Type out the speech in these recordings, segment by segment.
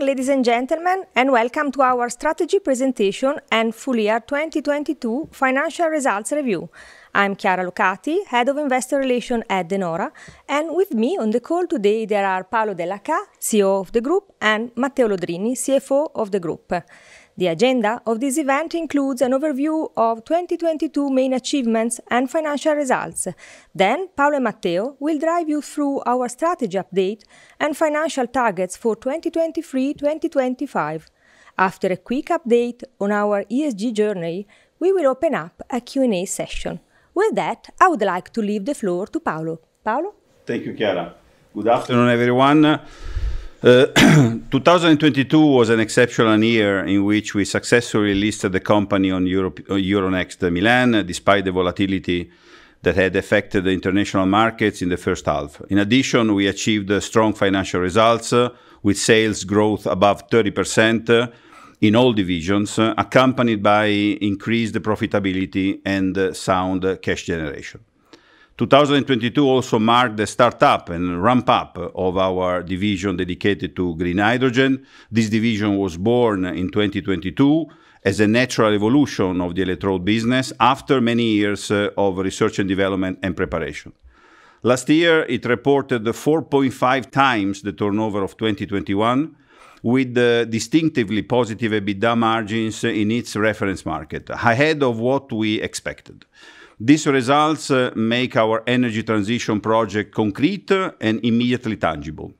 Good afternoon ladies and gentlemen, and welcome to our strategy presentation and full year 2022 financial results review. I'm Chiara Locati, Head of Investor Relations at De Nora, and with me on the call today there are Paolo Dellachà, CEO of the group, and Matteo Lodrini, CFO of the group. The agenda of this event includes an overview of 2022 main achievements and financial results. Paolo and Matteo will drive you through our strategy update and financial targets for 2023/2025. After a quick update on our ESG journey, we will open up a Q&A session. With that, I would like to leave the floor to Paolo. Paolo? Thank you Chiara. Good afternoon, everyone. 2022 was an exceptional year in which we successfully listed the company on Euronext Milan, despite the volatility that had affected the international markets in the first half. In addition, we achieved strong financial results with sales growth above 30% in all divisions, accompanied by increased profitability and sound cash generation. 2022 also marked the start up and ramp up of our division dedicated to green hydrogen. This division was born in 2022 as a natural evolution of the electrode business after many years of research and development and preparation. Last year, it reported 4.5 times the turnover of 2021, with distinctively positive EBITDA margins in its reference market, ahead of what we expected. These results make our energy transition project concrete and immediately tangible.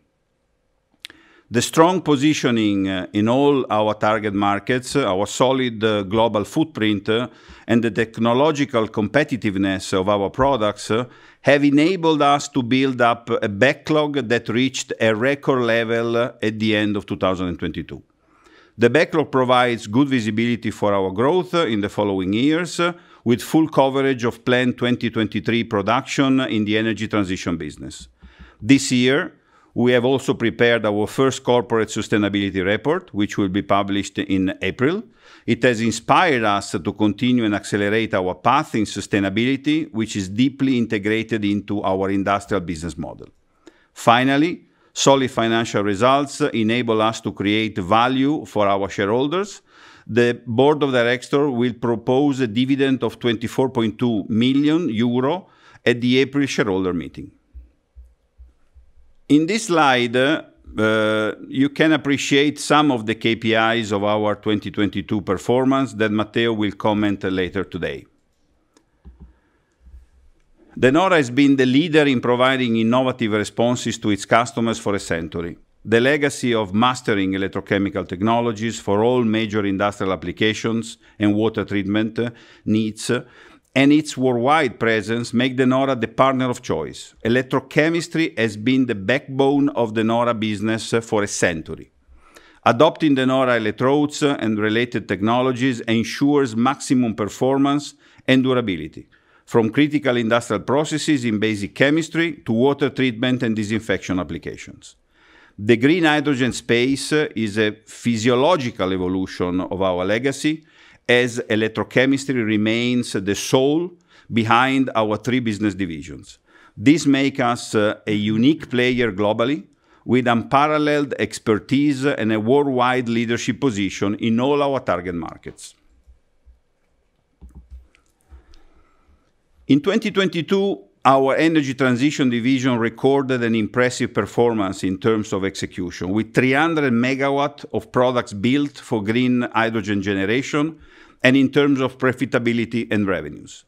The strong positioning in all our target markets, our solid global footprint, and the technological competitiveness of our products have enabled us to build up a backlog that reached a record level at the end of 2022. The backlog provides good visibility for our growth in the following years, with full coverage of planned 2023 production in the energy transition business. This year, we have also prepared our first corporate sustainability report, which will be published in April. It has inspired us to continue and accelerate our path in sustainability, which is deeply integrated into our industrial business model. Finally, solid financial results enable us to create value for our shareholders. The board of directors will propose a dividend of 24.2 million euro at the April shareholder meeting. In this slide, you can appreciate some of the KPIs of our 2022 performance that Matteo will comment later today. De Nora has been the leader in providing innovative responses to its customers for a century. The legacy of mastering electrochemical technologies for all major industrial applications and water treatment needs and its worldwide presence make De Nora the partner of choice. Electrochemistry has been the backbone of De Nora business for a century. Adopting De Nora electrodes and related technologies ensures maximum performance and durability, from critical industrial processes in basic chemistry to water treatment and disinfection applications. The green hydrogen space is a physiological evolution of our legacy as electrochemistry remains the soul behind our three business divisions. This make us a unique player globally with unparalleled expertise and a worldwide leadership position in all our target markets. In 2022, our energy transition division recorded an impressive performance in terms of execution, with 300 MW of products built for green hydrogen generation and in terms of profitability and revenues.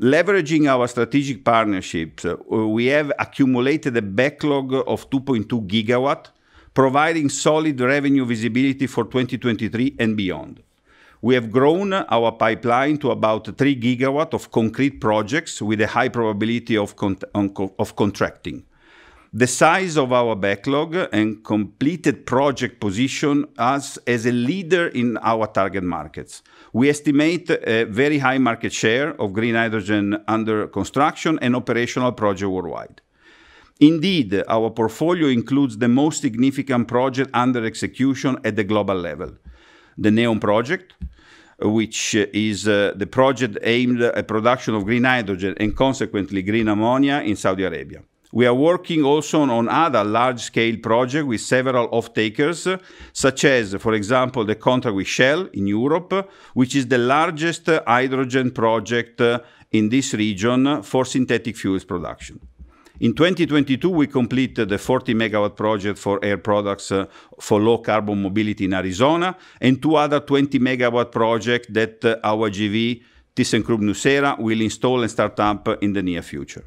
Leveraging our strategic partnerships, we have accumulated a backlog of 2.2 GW, providing solid revenue visibility for 2023 and beyond. We have grown our pipeline to about 3 GW of concrete projects with a high probability of contracting. The size of our backlog and completed project position us as a leader in our target markets. We estimate a very high market share of green hydrogen under construction and operational project worldwide. Indeed, our portfolio includes the most significant project under execution at the global level, the NEOM project, which is the project aimed at production of green hydrogen and consequently green ammonia in Saudi Arabia. We are working also on other large scale project with several off-takers, such as for example, the contract with Shell in Europe, which is the largest hydrogen project in this region for synthetic fuels production. In 2022, we completed the 40-megawatt project for Air Products for low carbon mobility in Arizona and two other 20-megawatt project that our JV, thyssenkrupp nucera, will install and start up in the near future.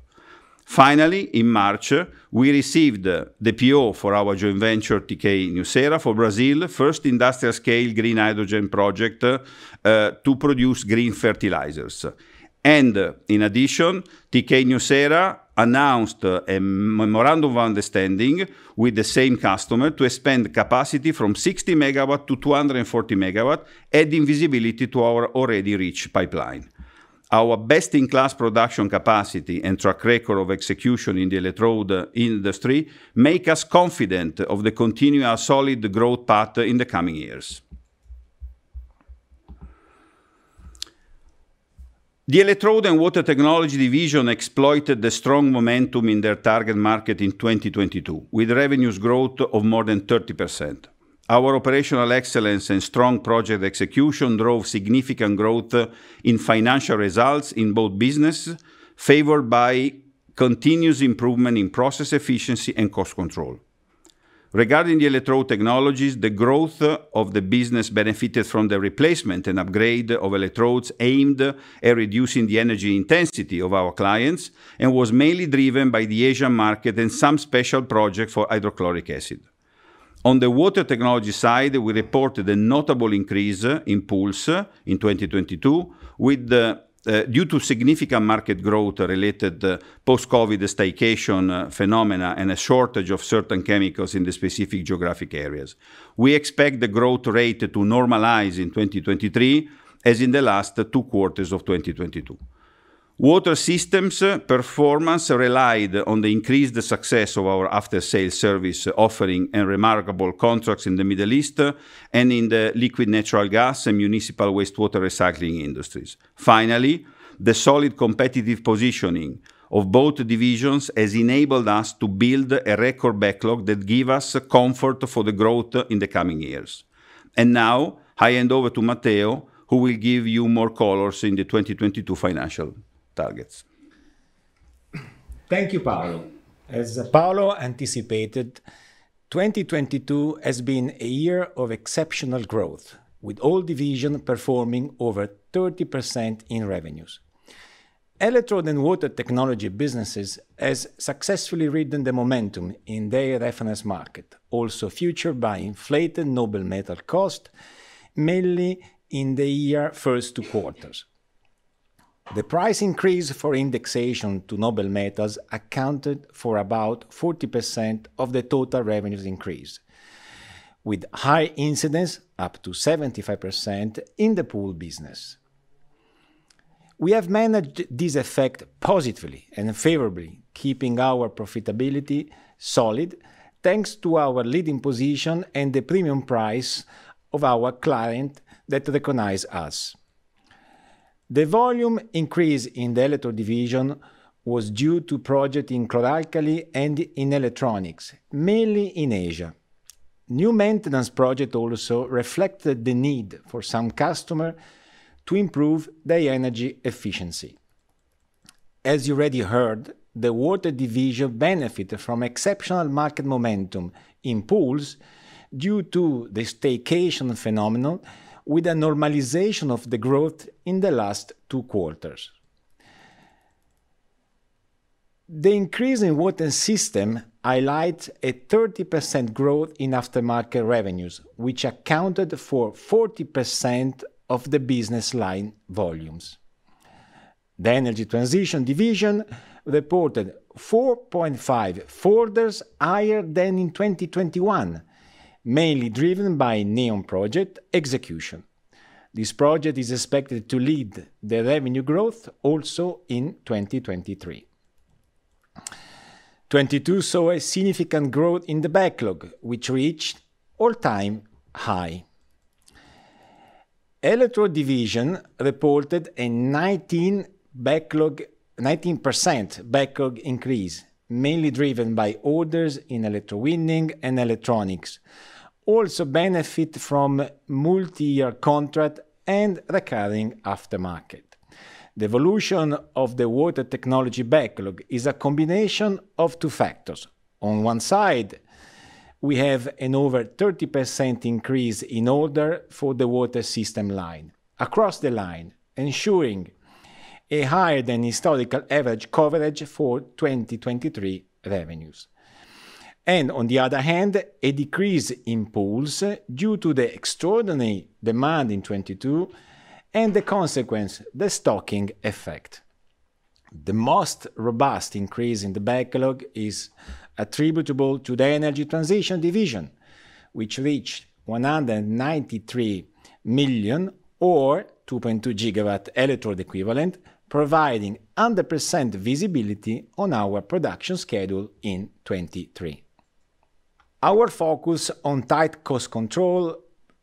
Finally, in March, we received the PO for our joint venture, TK Nucera, for Brazil first industrial scale green hydrogen project to produce green fertilizers. In addition, TK Nucera announced a memorandum of understanding with the same customer to expand capacity from 60 megawatt to 240 megawatt, adding visibility to our already rich pipeline. Our best-in-class production capacity and track record of execution in the electrode industry make us confident of the continual solid growth path in the coming years. The electrode and water technology division exploited the strong momentum in their target market in 2022, with revenues growth of more than 30%. Our operational excellence and strong project execution drove significant growth in financial results in both business, favored by continuous improvement in process efficiency and cost control. Regarding the electrode technologies, the growth of the business benefited from the replacement and upgrade of electrodes aimed at reducing the energy intensity of our clients, and was mainly driven by the Asian market and some special projects for hydrochloric acid. On the water technology side, we reported a notable increase in pools in 2022 with the due to significant market growth related post-COVID staycation phenomena and a shortage of certain chemicals in the specific geographic areas. We expect the growth rate to normalize in 2023, as in the last two quarters of 2022. Water systems performance relied on the increased success of our after-sales service offering and remarkable contracts in the Middle East and in the liquid natural gas and municipal wastewater recycling industries. Finally, the solid competitive positioning of both divisions has enabled us to build a record backlog that give us comfort for the growth in the coming years. Now I hand over to Matteo, who will give you more colors in the 2022 financial targets. Thank you Paolo. As Paolo anticipated, 2022 has been a year of exceptional growth, with all divisions performing over 30% in revenues. Electrode and water technology businesses have successfully ridden the momentum in their reference market, also featured by inflated noble metal cost, mainly in the year's first two quarters. The price increase for indexation to noble metals accounted for about 40% of the total revenues increase, with high incidence, up to 75%, in the pool business. We have managed this effect positively and favorably, keeping our profitability solid, thanks to our leading position and the premium price of our clients that recognize us. The volume increase in the electrode division was due to projects in chloralkali and in electronics, mainly in Asia. New maintenance projects also reflected the need for some customers to improve their energy efficiency. As you already heard, the water division benefited from exceptional market momentum in pools due to the staycation phenomenon, with a normalization of the growth in the last two quarters. The increase in water system highlight a 30% growth in aftermarket revenues, which accounted for 40% of the business line volumes. The energy transition division reported 4.5 folders higher than in 2021, mainly driven by NEOM project execution. This project is expected to lead the revenue growth also in 2023. 2022 saw a significant growth in the backlog, which reached all-time high. Electrode division reported a 19% backlog increase, mainly driven by orders in electrowinning and electronics, also benefit from multiyear contract and recurring aftermarket. The evolution of the water technology backlog is a combination of two factors. On one side, we have an over 30% increase in order for the water system line, across the line, ensuring a higher than historical average coverage for 2023 revenues. On the other hand, a decrease in pools due to the extraordinary demand in 2022 and the consequence, the stocking effect. The most robust increase in the backlog is attributable to the energy transition division, which reached 193 million or 2.2 gigawatt electrode equivalent, providing 100% visibility on our production schedule in 2023. Our focus on tight cost control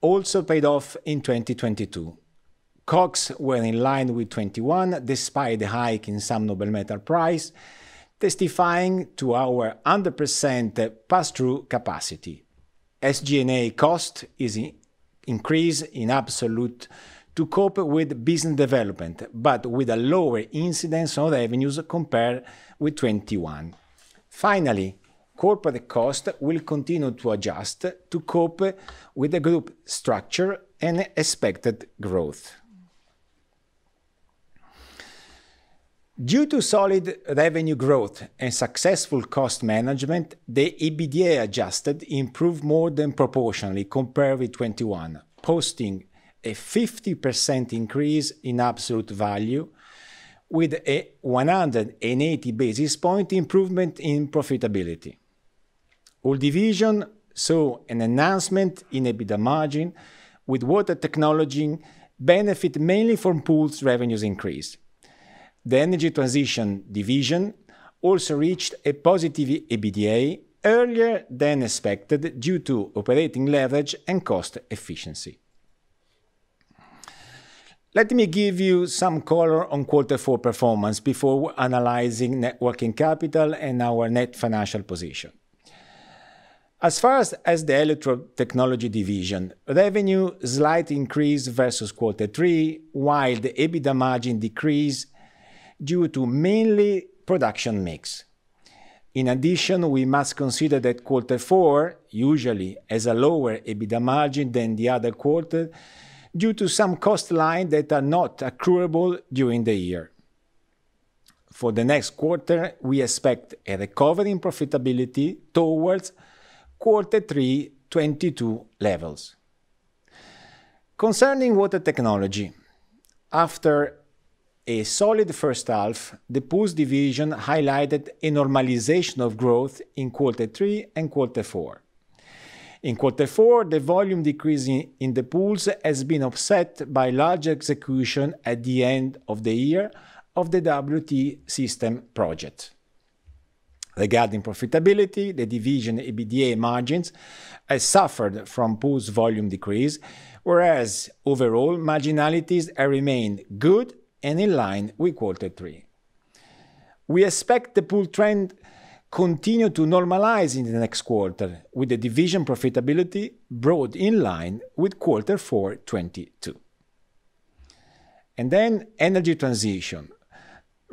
also paid off in 2022. COGS were in line with 2021 despite the hike in some noble metal price, testifying to our 100% pass-through capacity. SG&A cost is in increase in absolute to cope with business development, but with a lower incidence on revenues compared with 2021. Finally, corporate cost will continue to adjust to cope with the group structure and expected growth. Due to solid revenue growth and successful cost management, the EBITDA adjusted improved more than proportionally compared with 21, posting a 50% increase in absolute value with a 180 basis point improvement in profitability. All division saw an enhancement in EBITDA margin, with Water Technology benefit mainly from pools revenues increase. The Energy Transition division also reached a positive EBITDA earlier than expected due to operating leverage and cost efficiency. Let me give you some color on quarter four performance before analyzing net working capital and our net financial position. As far as the Electrode Technology division, revenue slight increase versus quarter three, while the EBITDA margin decrease due to mainly production mix. In addition, we must consider that quarter four usually has a lower EBITDA margin than the other quarter due to some cost line that are not accruable during the year. For the next quarter, we expect a recovery in profitability towards quarter three 2022 levels. Concerning water technology, after a solid first half, the pools division highlighted a normalization of growth in quarter three and quarter four. In quarter four, the volume decrease in the pools has been offset by large execution at the end of the year of the WT system project. Regarding profitability, the division EBITDA margins has suffered from pools volume decrease, whereas overall marginalities are remained good and in line with quarter three. We expect the pool trend continue to normalize in the next quarter, with the division profitability brought in line with quarter four, 2022. Energy transition.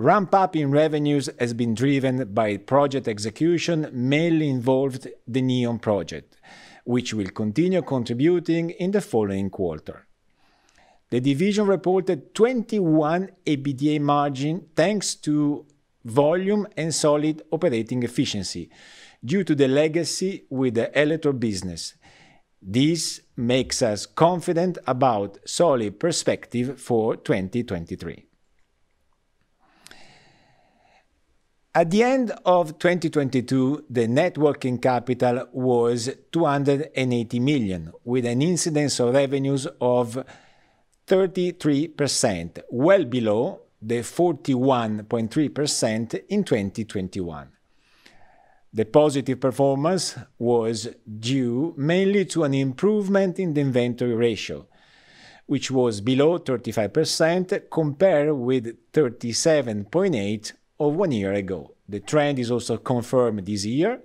Ramp-up in revenues has been driven by project execution, mainly involved the NEOM project, which will continue contributing in the following quarter. The division reported 21% EBITDA margin, thanks to volume and solid operating efficiency due to the legacy with the electrode business. This makes us confident about solid perspective for 2023. At the end of 2022, the net working capital was 280 million, with an incidence of revenues of 33%, well below the 41.3% in 2021. The positive performance was due mainly to an improvement in the inventory ratio, which was below 35% compared with 37.8% of one year ago. The trend is also confirmed this year,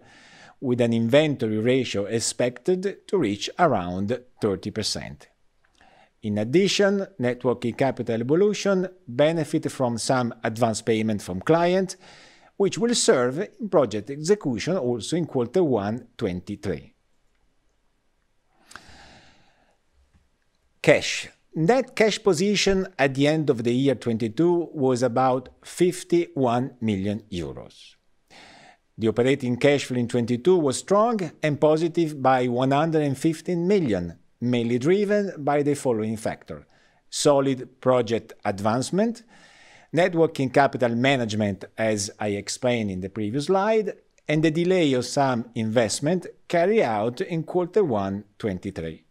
with an inventory ratio expected to reach around 30%. Net working capital evolution benefit from some advanced payment from client, which will serve in project execution also in quarter one, 2023. Cash. Net cash position at the end of 2022 was about 51 million euros. The operating cash flow in 2022 was strong and positive by 115 million, mainly driven by the following factor: solid project advancement, net working capital management, as I explained in the previous slide, and the delay of some investment carry out in quarter one, 2023.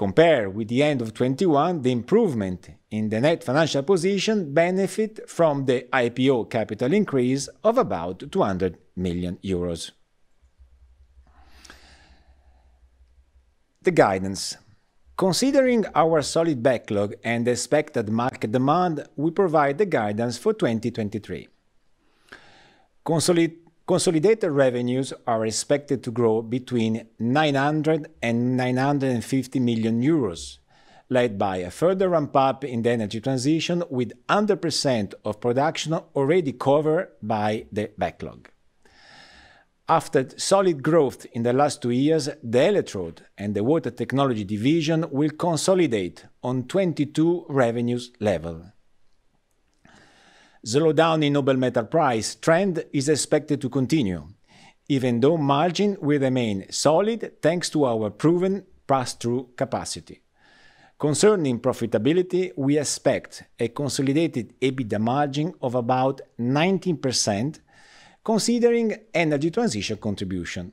Compared with the end of 2021, the improvement in the net financial position benefit from the IPO capital increase of about 200 million euros. The guidance. Considering our solid backlog and expected market demand, we provide the guidance for 2023. Consolidated revenues are expected to grow between 900 million euros and 950 million euros, led by a further ramp-up in the energy transition, with under % of production already covered by the backlog. After solid growth in the last two years, the electrode and the Water Technology division will consolidate on 2022 revenues level. Slowdown in noble metal price trend is expected to continue, even though margin will remain solid, thanks to our proven pass-through capacity. Concerning profitability, we expect a consolidated EBITDA margin of about 19%, considering energy transition contribution.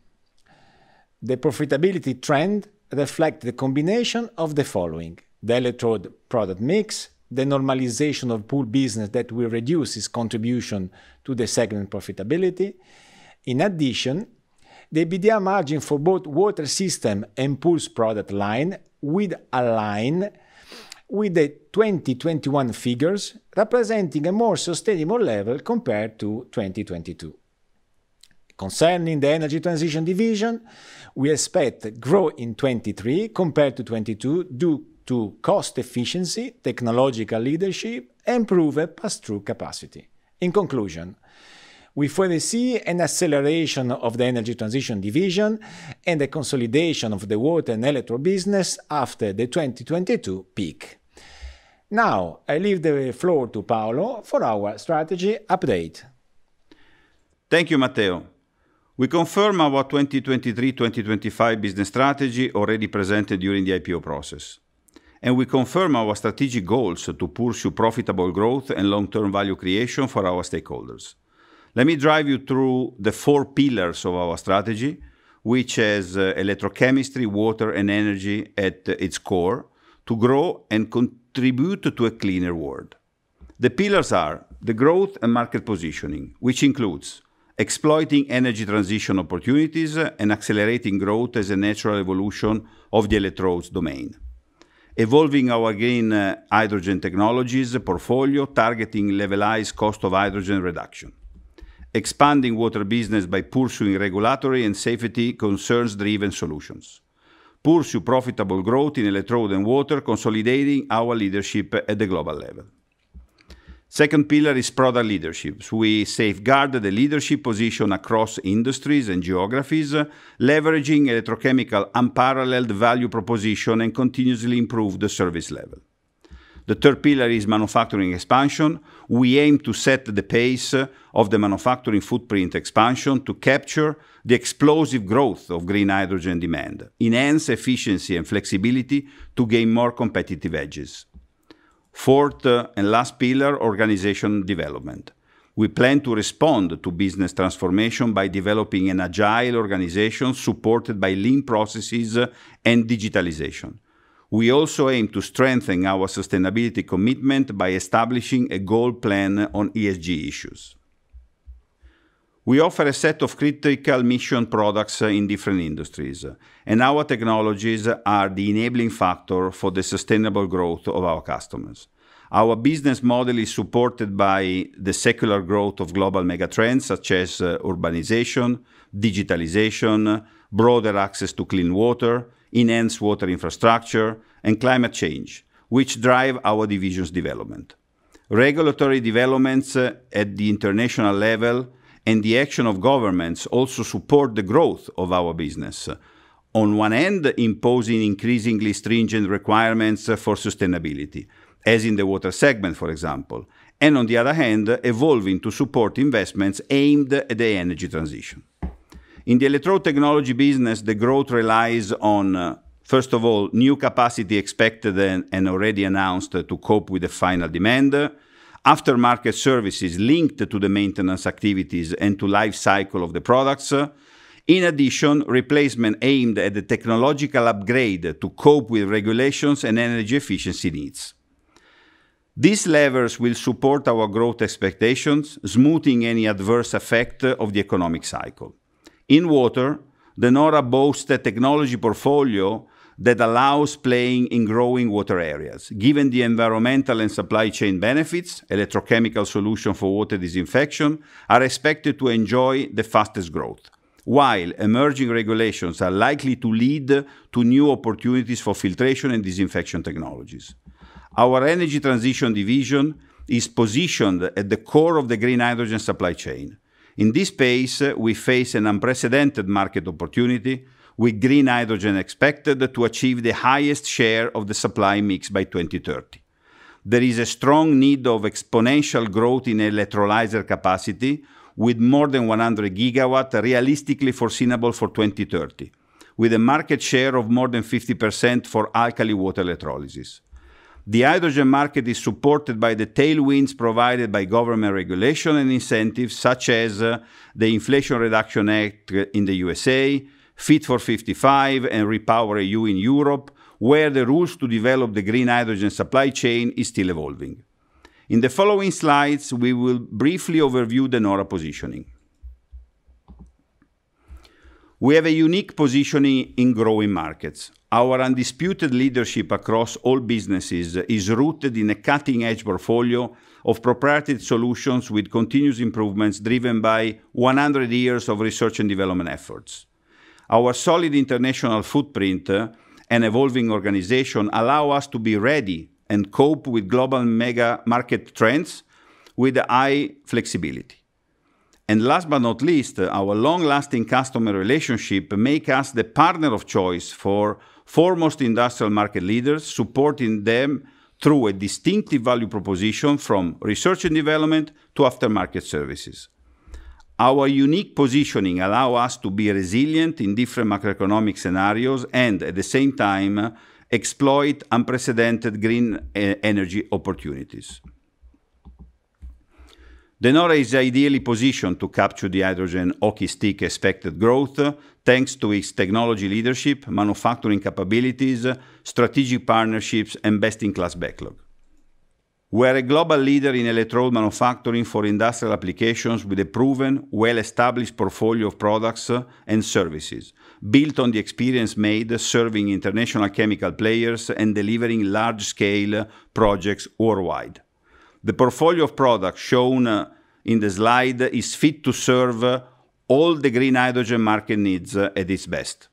The profitability trend reflect the combination of the following: the electrode product mix, the normalization of pool business that will reduce its contribution to the segment profitability. The EBITDA margin for both water system and pools product line will align with the 2021 figures, representing a more sustainable level compared to 2022. Concerning the energy transition division, we expect growth in 2023 compared to 2022 due to cost efficiency, technological leadership, and improved pass-through capacity. In conclusion, we foresee an acceleration of the energy transition division and the consolidation of the water and electro business after the 2022 peak. I leave the floor to Paolo for our strategy update. Thank you Matteo. We confirm our 2023-2025 business strategy already presented during the IPO process. We confirm our strategic goals to pursue profitable growth and long-term value creation for our stakeholders. Let me drive you through the four pillars of our strategy, which is electrochemistry, water, and energy at its core to grow and contribute to a cleaner world. The pillars are the growth and market positioning, which includes exploiting energy transition opportunities and accelerating growth as a natural evolution of the electrodes domain. Evolving our green hydrogen technologies portfolio, targeting levelized cost of hydrogen reduction. Expanding water business by pursuing regulatory and safety concerns-driven solutions. Pursue profitable growth in electrode and water, consolidating our leadership at the global level. Second pillar is product leadership. We safeguard the leadership position across industries and geographies, leveraging electrochemical unparalleled value proposition, and continuously improve the service level. The third pillar is manufacturing expansion. We aim to set the pace of the manufacturing footprint expansion to capture the explosive growth of green hydrogen demand, enhance efficiency and flexibility to gain more competitive edges. Fourth and last pillar, organization development. We plan to respond to business transformation by developing an agile organization supported by lean processes and digitalization. We also aim to strengthen our sustainability commitment by establishing a goal plan on ESG issues. We offer a set of critical mission products in different industries, and our technologies are the enabling factor for the sustainable growth of our customers. Our business model is supported by the secular growth of global mega trends such as urbanization, digitalization, broader access to clean water, enhanced water infrastructure, and climate change, which drive our divisions' development. Regulatory developments at the international level and the action of governments also support the growth of our business. On one end, imposing increasingly stringent requirements for sustainability, as in the water segment, for example, and on the other hand, evolving to support investments aimed at the energy transition. In the electrode technology business, the growth relies on, first of all, new capacity expected and already announced to cope with the final demand, after-market services linked to the maintenance activities and to life cycle of the products. In addition, replacement aimed at the technological upgrade to cope with regulations and energy efficiency needs. These levers will support our growth expectations, smoothing any adverse effect of the economic cycle. In water, De Nora boasts the technology portfolio that allows playing in growing water areas. Given the environmental and supply chain benefits, electrochemical solution for water disinfection are expected to enjoy the fastest growth. While emerging regulations are likely to lead to new opportunities for filtration and disinfection technologies. Our energy transition division is positioned at the core of the green hydrogen supply chain. In this space, we face an unprecedented market opportunity with green hydrogen expected to achieve the highest share of the supply mix by 2030. There is a strong need of exponential growth in electrolyzer capacity with more than 100 gigawatt realistically foreseeable for 2030, with a market share of more than 50% for alkaline water electrolysis. The hydrogen market is supported by the tailwinds provided by government regulation and incentives such as the Inflation Reduction Act in the USA, Fit for 55, and REPowerEU in Europe, where the rules to develop the green hydrogen supply chain is still evolving. In the following slides, we will briefly overview De Nora positioning. We have a unique positioning in growing markets. Our undisputed leadership across all businesses is rooted in a cutting-edge portfolio of proprietary solutions with continuous improvements driven by 100 years of research and development efforts. Our solid international footprint and evolving organization allow us to be ready and cope with global mega market trends with high flexibility. Last but not least, our long-lasting customer relationship make us the partner of choice for foremost industrial market leaders, supporting them through a distinctive value proposition from research and development to after-market services. Our unique positioning allow us to be resilient in different macroeconomic scenarios and, at the same time, exploit unprecedented green e-energy opportunities. De Nora is ideally positioned to capture the hydrogen hockey stick expected growth, thanks to its technology leadership, manufacturing capabilities, strategic partnerships, and best-in-class backlog. We're a global leader in electrode manufacturing for industrial applications with a proven, well-established portfolio of products and services built on the experience made serving international chemical players and delivering large-scale projects worldwide. The portfolio of products shown in the slide is fit to serve all the green hydrogen market needs at its best.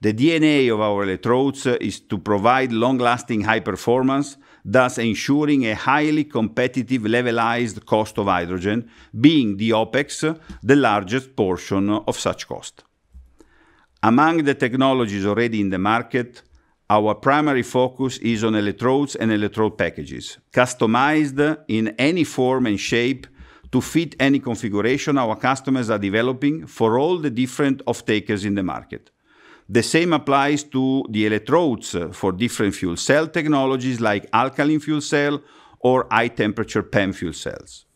The DNA of our electrodes is to provide long-lasting, high performance, thus ensuring a highly competitive levelized cost of hydrogen being the OpEx, the largest portion of such cost. Among the technologies already in the market, our primary focus is on electrodes and electrode packages, customized in any form and shape to fit any configuration our customers are developing for all the different off-takers in the market. The same applies to the electrodes for different fuel cell technologies like alkaline fuel cell or high-temperature PEM fuel cells.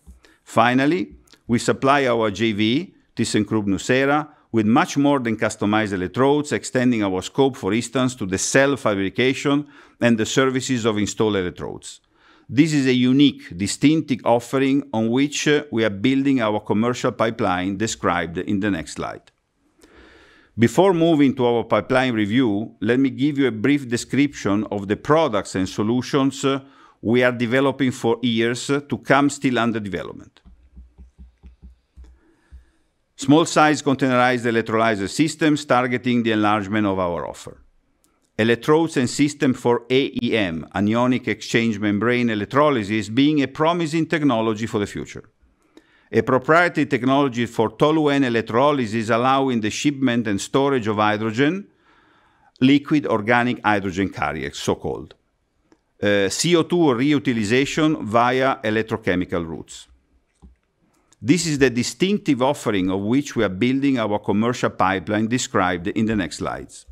Finally, we supply our JV, thyssenkrupp nucera, with much more than customized electrodes, extending our scope, for instance, to the cell fabrication and the services of installed electrodes. This is a unique distinctive offering on which we are building our commercial pipeline described in the next slide. Before moving to our pipeline review, let me give you a brief description of the products and solutions we are developing for years to come still under development. Small size containerized electrolyzer systems targeting the enlargement of our offer. Electrodes and system for AEM, anion exchange membrane electrolysis, being a promising technology for the future. A proprietary technology for toluene electrolysis allowing the shipment and storage of hydrogen, liquid organic hydrogen carrier, so-called. CO2 reutilization via electrochemical routes. This is the distinctive offering of which we are building our commercial pipeline described in the next slides.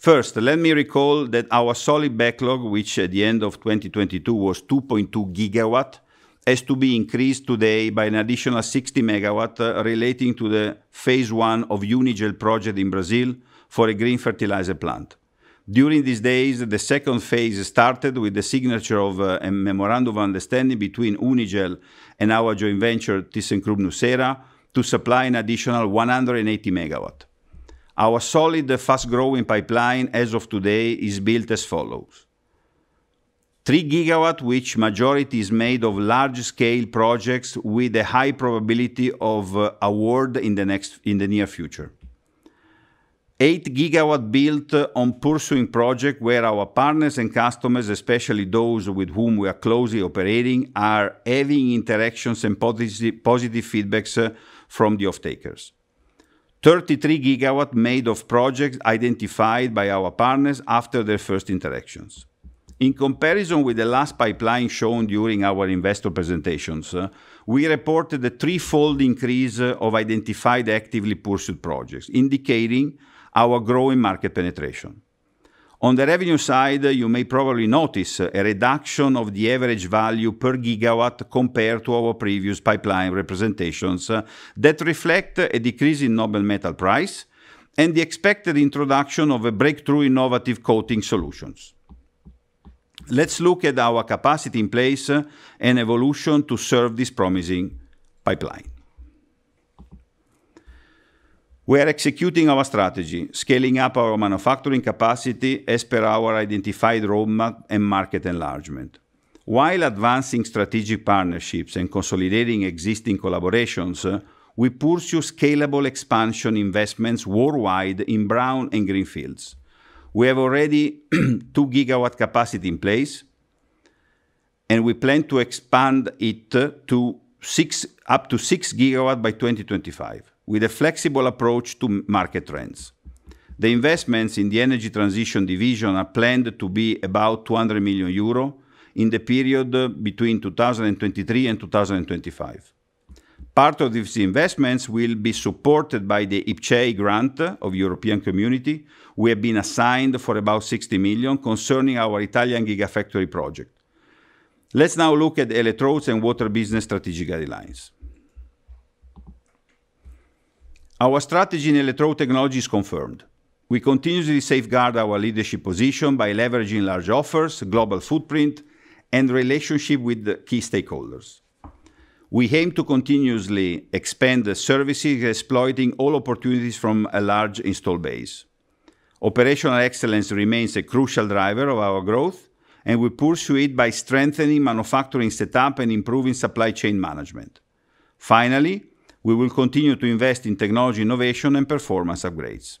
First, let me recall that our solid backlog, which at the end of 2022 was 2.2 gigawatt, has to be increased today by an additional 60 megawatt relating to the phase one of Unigel project in Brazil for a green fertilizer plant. During these days, the second phase started with the signature of a memorandum of understanding between Unigel and our joint venture, thyssenkrupp nucera, to supply an additional 180 megawatt. Our solid, fast-growing pipeline as of today is built as follows: 3 gigawatt, which majority is made of large-scale projects with a high probability of award in the near future. 8 gigawatt built on pursuing project where our partners and customers, especially those with whom we are closely operating, are having interactions and positive feedbacks from the off-takers. 33 gigawatt made of projects identified by our partners after their first interactions. In comparison with the last pipeline shown during our investor presentations, we reported a three-fold increase of identified actively pursued projects, indicating our growing market penetration. On the revenue side, you may probably notice a reduction of the average value per gigawatt compared to our previous pipeline representations that reflect a decrease in noble metal price and the expected introduction of a breakthrough innovative coating solutions. Let's look at our capacity in place and evolution to serve this promising pipeline. We are executing our strategy, scaling up our manufacturing capacity as per our identified roadmap and market enlargement. While advancing strategic partnerships and consolidating existing collaborations, we pursue scalable expansion investments worldwide in brown and green fields. We have already 2 gigawatt capacity in place, and we plan to expand it up to 6 gigawatt by 2025, with a flexible approach to market trends. The investments in the energy transition division are planned to be about 200 million euro in the period between 2023 and 2025. Part of these investments will be supported by the IPCEI grant of European Union. We have been assigned for about 60 million concerning our Italian Gigafactory project. Let's now look at electrodes and water business strategic guidelines. Our strategy in electrode technology is confirmed. We continuously safeguard our leadership position by leveraging large offers, global footprint, and relationship with the key stakeholders. We aim to continuously expand the services, exploiting all opportunities from a large install base. Operational excellence remains a crucial driver of our growth, and we pursue it by strengthening manufacturing setup and improving supply chain management. Finally, we will continue to invest in technology innovation and performance upgrades.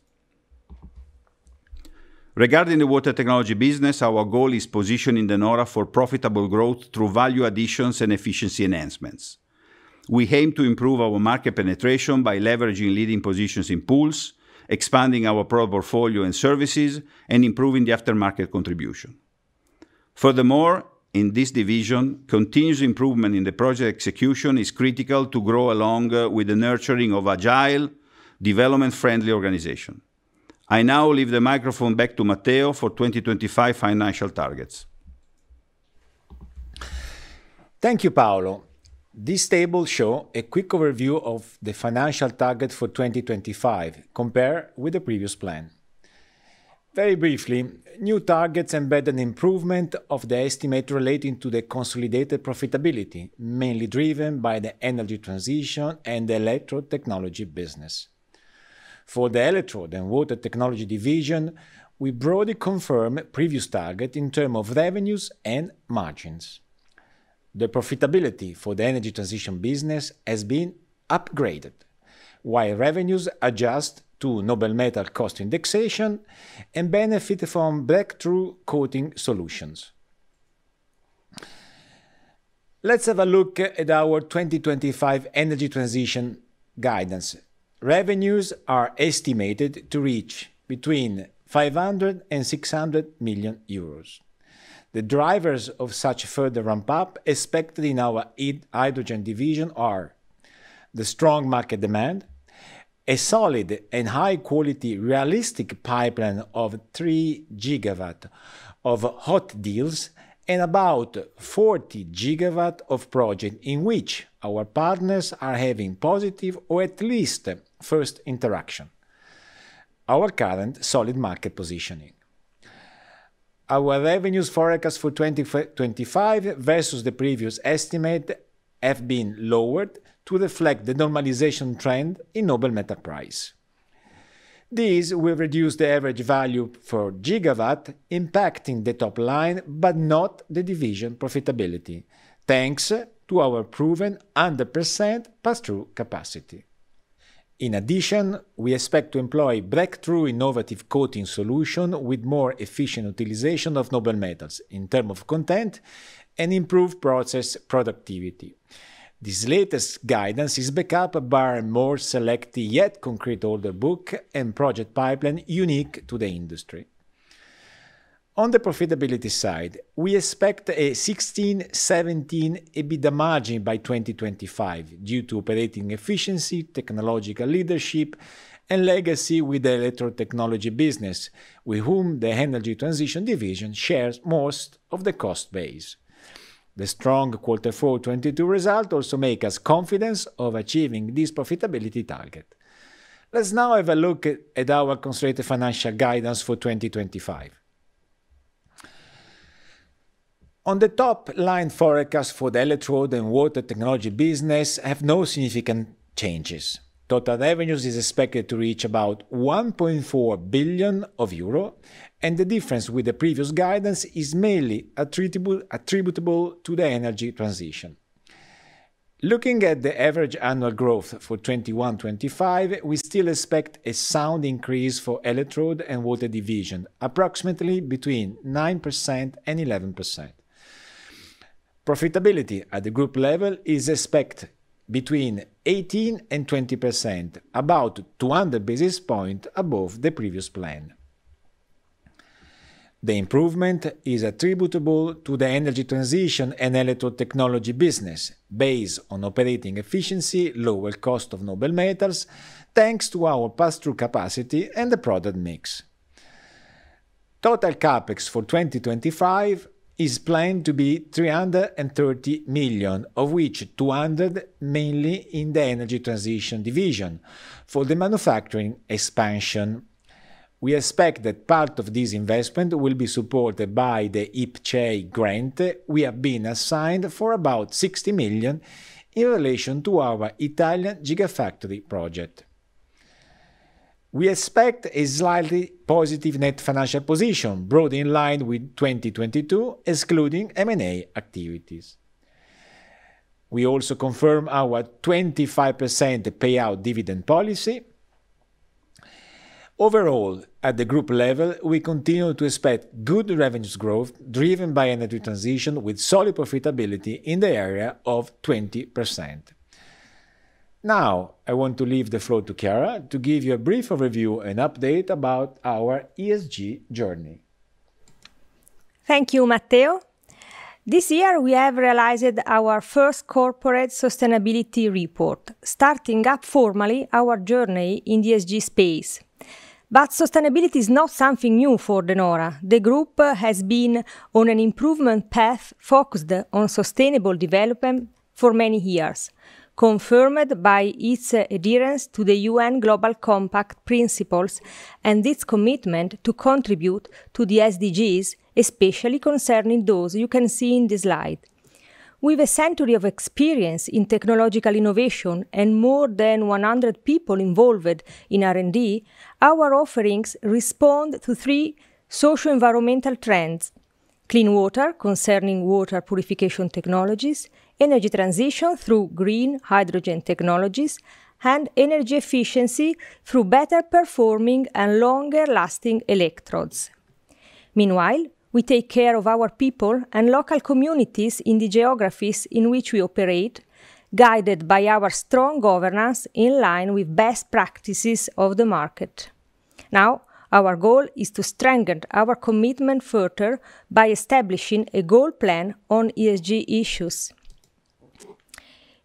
Regarding the water technology business, our goal is positioning De Nora for profitable growth through value additions and efficiency enhancements. We aim to improve our market penetration by leveraging leading positions in pools, expanding our product portfolio and services, and improving the aftermarket contribution. In this division, continuous improvement in the project execution is critical to grow along with the nurturing of agile, development-friendly organization. I now leave the microphone back to Matteo for 2025 financial targets. Thank you Paolo. This table show a quick overview of the financial target for 2025 compared with the previous plan. Very briefly, new targets embed an improvement of the estimate relating to the consolidated profitability, mainly driven by the energy transition and electrode technology business. For the electrode and water technology division, we broadly confirm previous target in term of revenues and margins. The profitability for the energy transition business has been upgraded, while revenues adjust to noble metal cost indexation and benefit from breakthrough coating solutions. Let's have a look at our 2025 energy transition guidance. Revenues are estimated to reach between 500 million euros and 600 million euros. The drivers of such further ramp-up expected in our eid-hydrogen division are: the strong market demand, a solid and high quality realistic pipeline of 3 gigawatt of hot deals and about 40 gigawatt of project in which our partners are having positive or at least first interaction, our current solid market positioning. Our revenues forecast for 2025 versus the previous estimate have been lowered to reflect the normalization trend in noble metal price. These will reduce the average value for gigawatt, impacting the top line, but not the division profitability, thanks to our proven 100% pass-through capacity. In addition, we expect to employ breakthrough innovative coating solution with more efficient utilization of noble metals in term of content and improved process productivity. This latest guidance is backed up by more select yet concrete order book and project pipeline unique to the industry. On the profitability side, we expect a 16%-17% EBITDA margin by 2025 due to operating efficiency, technological leadership, and legacy with the electrode technology business, with whom the energy transition division shares most of the cost base. The strong Q4 2022 result also make us confidence of achieving this profitability target. Let's now have a look at our constrained financial guidance for 2025. On the top line, forecast for the electrode and water technology business have no significant changes. Total revenues is expected to reach about 1.4 billion euro. The difference with the previous guidance is mainly attributable to the energy transition. Looking at the average annual growth for 2021-2025, we still expect a sound increase for electrode and water division, approximately between 9% and 11%. Profitability at the group level is expect between 18% and 20%, about 200 basis points above the previous plan. The improvement is attributable to the energy transition and electrode technology business based on operating efficiency, lower cost of noble metals, thanks to our pass-through capacity and the product mix. Total CapEx for 2025 is planned to be 330 million, of which 200 million mainly in the energy transition division for the manufacturing expansion. We expect that part of this investment will be supported by the IPCEI grant we have been assigned for about 60 million in relation to our Italian Gigafactory project. We expect a slightly positive net financial position, broadly in line with 2022, excluding M&A activities. We also confirm our 25% payout dividend policy. Overall, at the group level, we continue to expect good revenues growth driven by energy transition with solid profitability in the area of 20%. I want to leave the floor to Chiara to give you a brief overview and update about our ESG journey. Thank you Matteo. This year, we have realized our first corporate sustainability report, starting up formally our journey in the ESG space. Sustainability is not something new for De Nora. The group has been on an improvement path focused on sustainable development for many years, confirmed by its adherence to the UN Global Compact principles and its commitment to contribute to the SDGs, especially concerning those you can see in the slide. With a century of experience in technological innovation and more than 100 people involved in R&D, our offerings respond to 3 socio-environmental trends: clean water, concerning water purification technologies, energy transition through green hydrogen technologies, and energy efficiency through better performing and longer lasting electrodes. Meanwhile, we take care of our people and local communities in the geographies in which we operate, guided by our strong governance in line with best practices of the market. Our goal is to strengthen our commitment further by establishing a goal plan on ESG issues.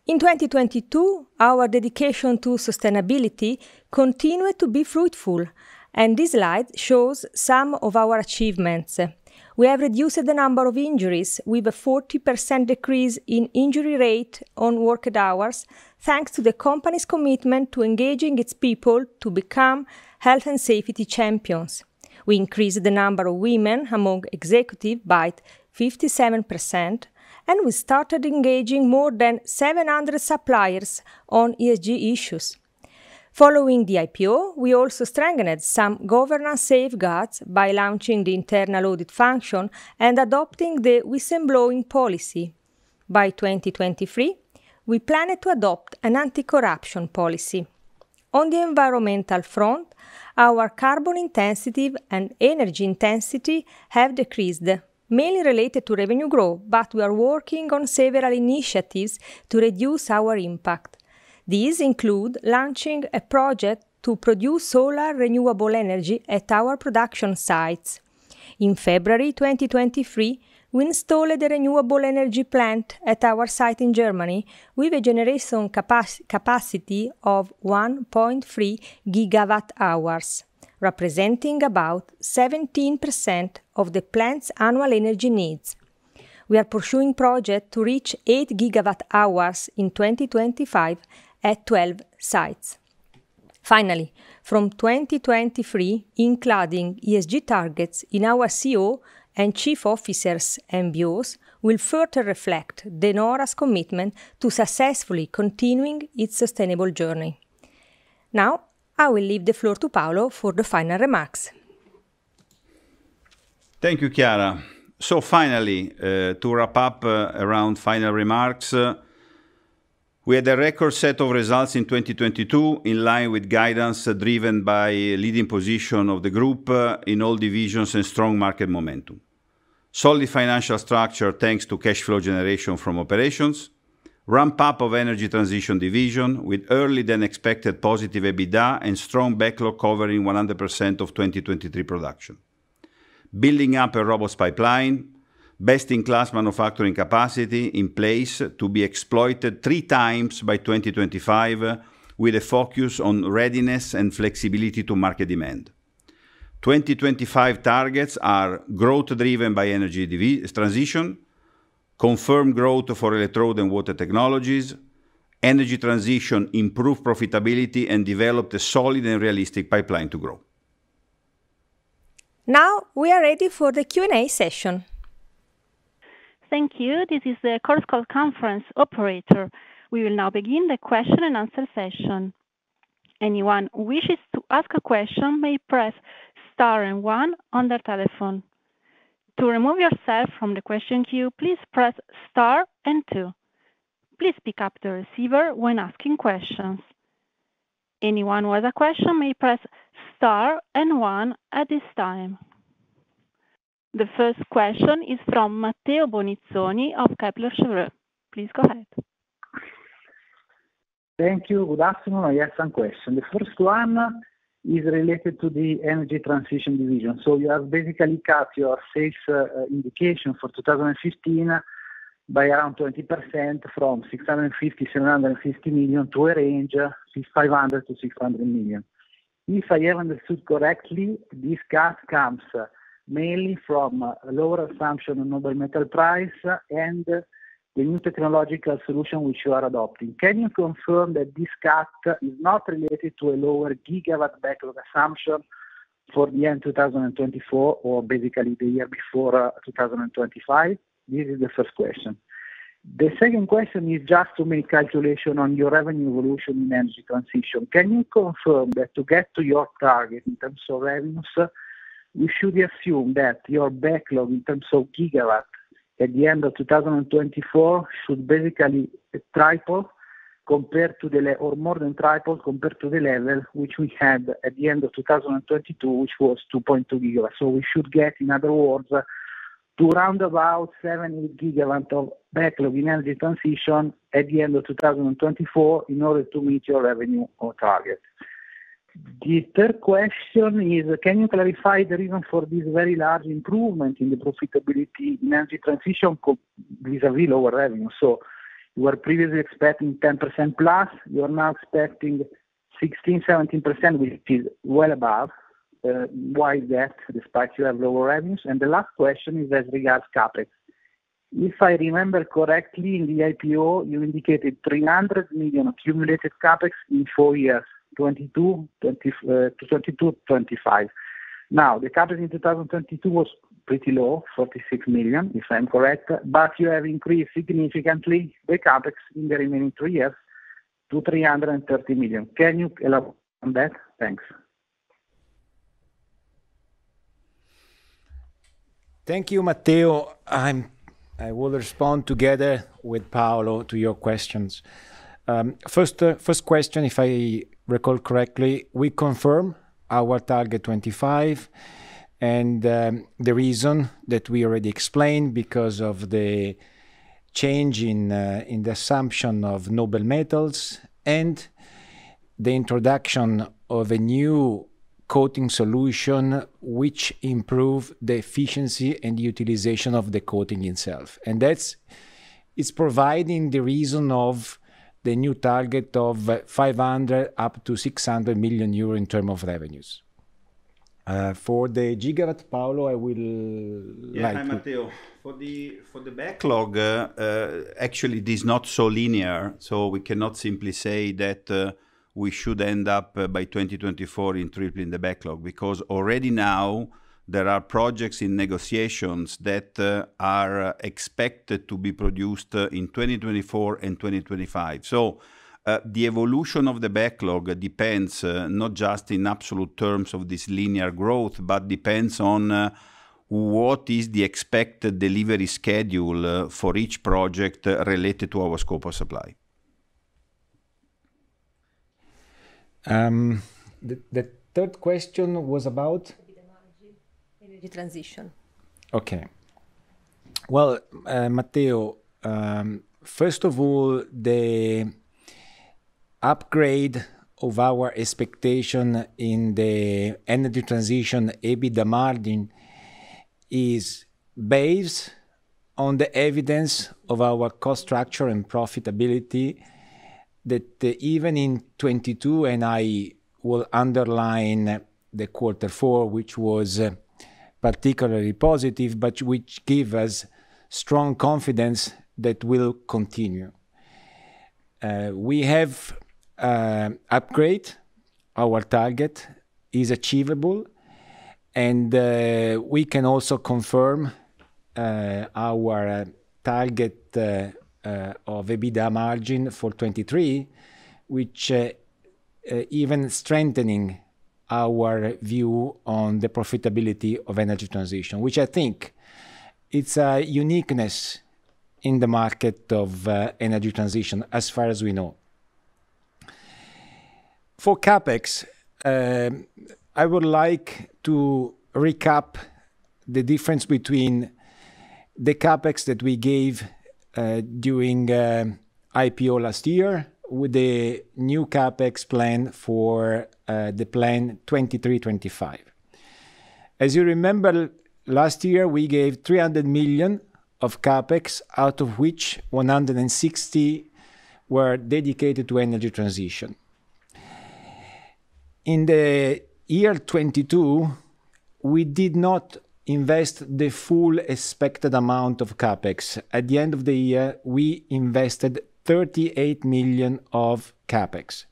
In 2022, our dedication to sustainability continued to be fruitful. This slide shows some of our achievements. We have reduced the number of injuries with a 40% decrease in injury rate on worked hours thanks to the company's commitment to engaging its people to become health and safety champions. We increased the number of women among executive by 57%. We started engaging more than 700 suppliers on ESG issues. Following the IPO, we also strengthened some governance safeguards by launching the internal audit function and adopting the whistleblowing policy. By 2023, we plan to adopt an anti-corruption policy. On the environmental front, our carbon intensity and energy intensity have decreased, mainly related to revenue growth. We are working on several initiatives to reduce our impact. These include launching a project to produce solar renewable energy at our production sites. In February 2023, we installed a renewable energy plant at our site in Germany with a generation capacity of 1.3 gigawatt hours, representing about 17% of the plant's annual energy needs. We are pursuing project to reach 8 gigawatt hours in 2025 at 12 sites. From 2023, including ESG targets in our CEO and chief officers' MBOs will further reflect De Nora's commitment to successfully continuing its sustainable journey. I will leave the floor to Paolo for the final remarks. Thank you Chiara. Finally, to wrap up around final remarks, we had a record set of results in 2022 in line with guidance driven by leading position of the group in all divisions and strong market momentum. Solid financial structure, thanks to cash flow generation from operations. Ramp up of Energy Transition division with earlier than expected positive EBITDA and strong backlog covering 100% of 2023 production. Building up a robust pipeline. Best in class manufacturing capacity in place to be exploited three times by 2025 with a focus on readiness and flexibility to market demand. 2025 targets are growth driven by Energy Transition, confirmed growth for Electrode and Water Technologies, Energy Transition, improve profitability, and develop the solid and realistic pipeline to grow. We are ready for the Q&A session. Thank you. This is the corporate call conference operator. We will now begin the question and answer session. Anyone who wishes to ask a question may press star and one on their telephone. To remove yourself from the question queue, please press star and two. Please pick up the receiver when asking questions. Anyone with a question may press star and one at this time. The first question is from Matteo Bonizzoni of Kepler Cheuvreux. Please go ahead. Thank you. Good afternoon. I have some question. The first one is related to the energy transition division. You have basically cut your sales indication for 2015 by around 20% from 650 million-750 million to a range 500 million-600 million. If I have understood correctly, this cut comes mainly from a lower assumption on noble metal price and the new technological solution which you are adopting. Can you confirm that this cut is not related to a lower gigawatt backlog assumption for the end 2024 or basically the year before 2025? This is the first question. The second question is just to make calculation on your revenue evolution in energy transition. Can you confirm that to get to your target in terms of revenues, we should assume that your backlog in terms of gigawatts at the end of 2024 should basically triple compared to the or more than triple compared to the level which we had at the end of 2022, which was 2.2 gigawatts. We should get, in other words, to round about 7 gigawatts of backlog in energy transition at the end of 2024 in order to meet your revenue or target. The third question is, can you clarify the reason for this very large improvement in the profitability in energy transition vis-a-vis lower revenue? You were previously expecting 10%+, you are now expecting 16%-17%, which is well above. Why is that despite you have lower revenues? The last question is as regards CapEx. If I remember correctly, in the IPO, you indicated 300 million accumulated CapEx in four years, 2022 to 2025. Now, the CapEx in 2022 was pretty low, 46 million, if I'm correct, but you have increased significantly the CapEx in the remaining three years to 330 million. Can you elaborate on that? Thanks. Thank you, Matteo. I will respond together with Paolo to your questions. first question, if I recall correctly, we confirm our target 25 and the reason that we already explained because of the change in the assumption of noble metals and the introduction of a new coating solution which improve the efficiency and utilization of the coating itself. That's providing the reason of the new target of 500 up to 600 million euro in term of revenues. For the Giga, Paolo, I will like- Yeah. Hi Matteo. For the backlog, actually it is not so linear, so we cannot simply say that we should end up by 2024 in tripling the backlog because already now there are projects in negotiations that are expected to be produced in 2024 and 2025. The evolution of the backlog depends not just in absolute terms of this linear growth, but depends on what is the expected delivery schedule for each project related to our scope of supply. The third question was about? EBITDA margin. Energy transition. Well, Matteo, first of all, the upgrade of our expectation in the energy transition EBITDA margin is based on the evidence of our cost structure and profitability that even in 2022, and I will underline the quarter four, which was particularly positive, but which give us strong confidence that will continue. We have upgrade. Our target is achievable, and we can also confirm our target of EBITDA margin for 2023, which even strengthening our view on the profitability of energy transition, which I think it's a uniqueness in the market of energy transition as far as we know. For CapEx, I would like to recap the difference between the CapEx that we gave during IPO last year with the new CapEx plan for the plan 2023-2025. As you remember, last year, we gave 300 million of CapEx, out of which 160 million were dedicated to energy transition. In the year 2022, we did not invest the full expected amount of CapEx. At the end of the year, we invested 38 million of CapEx.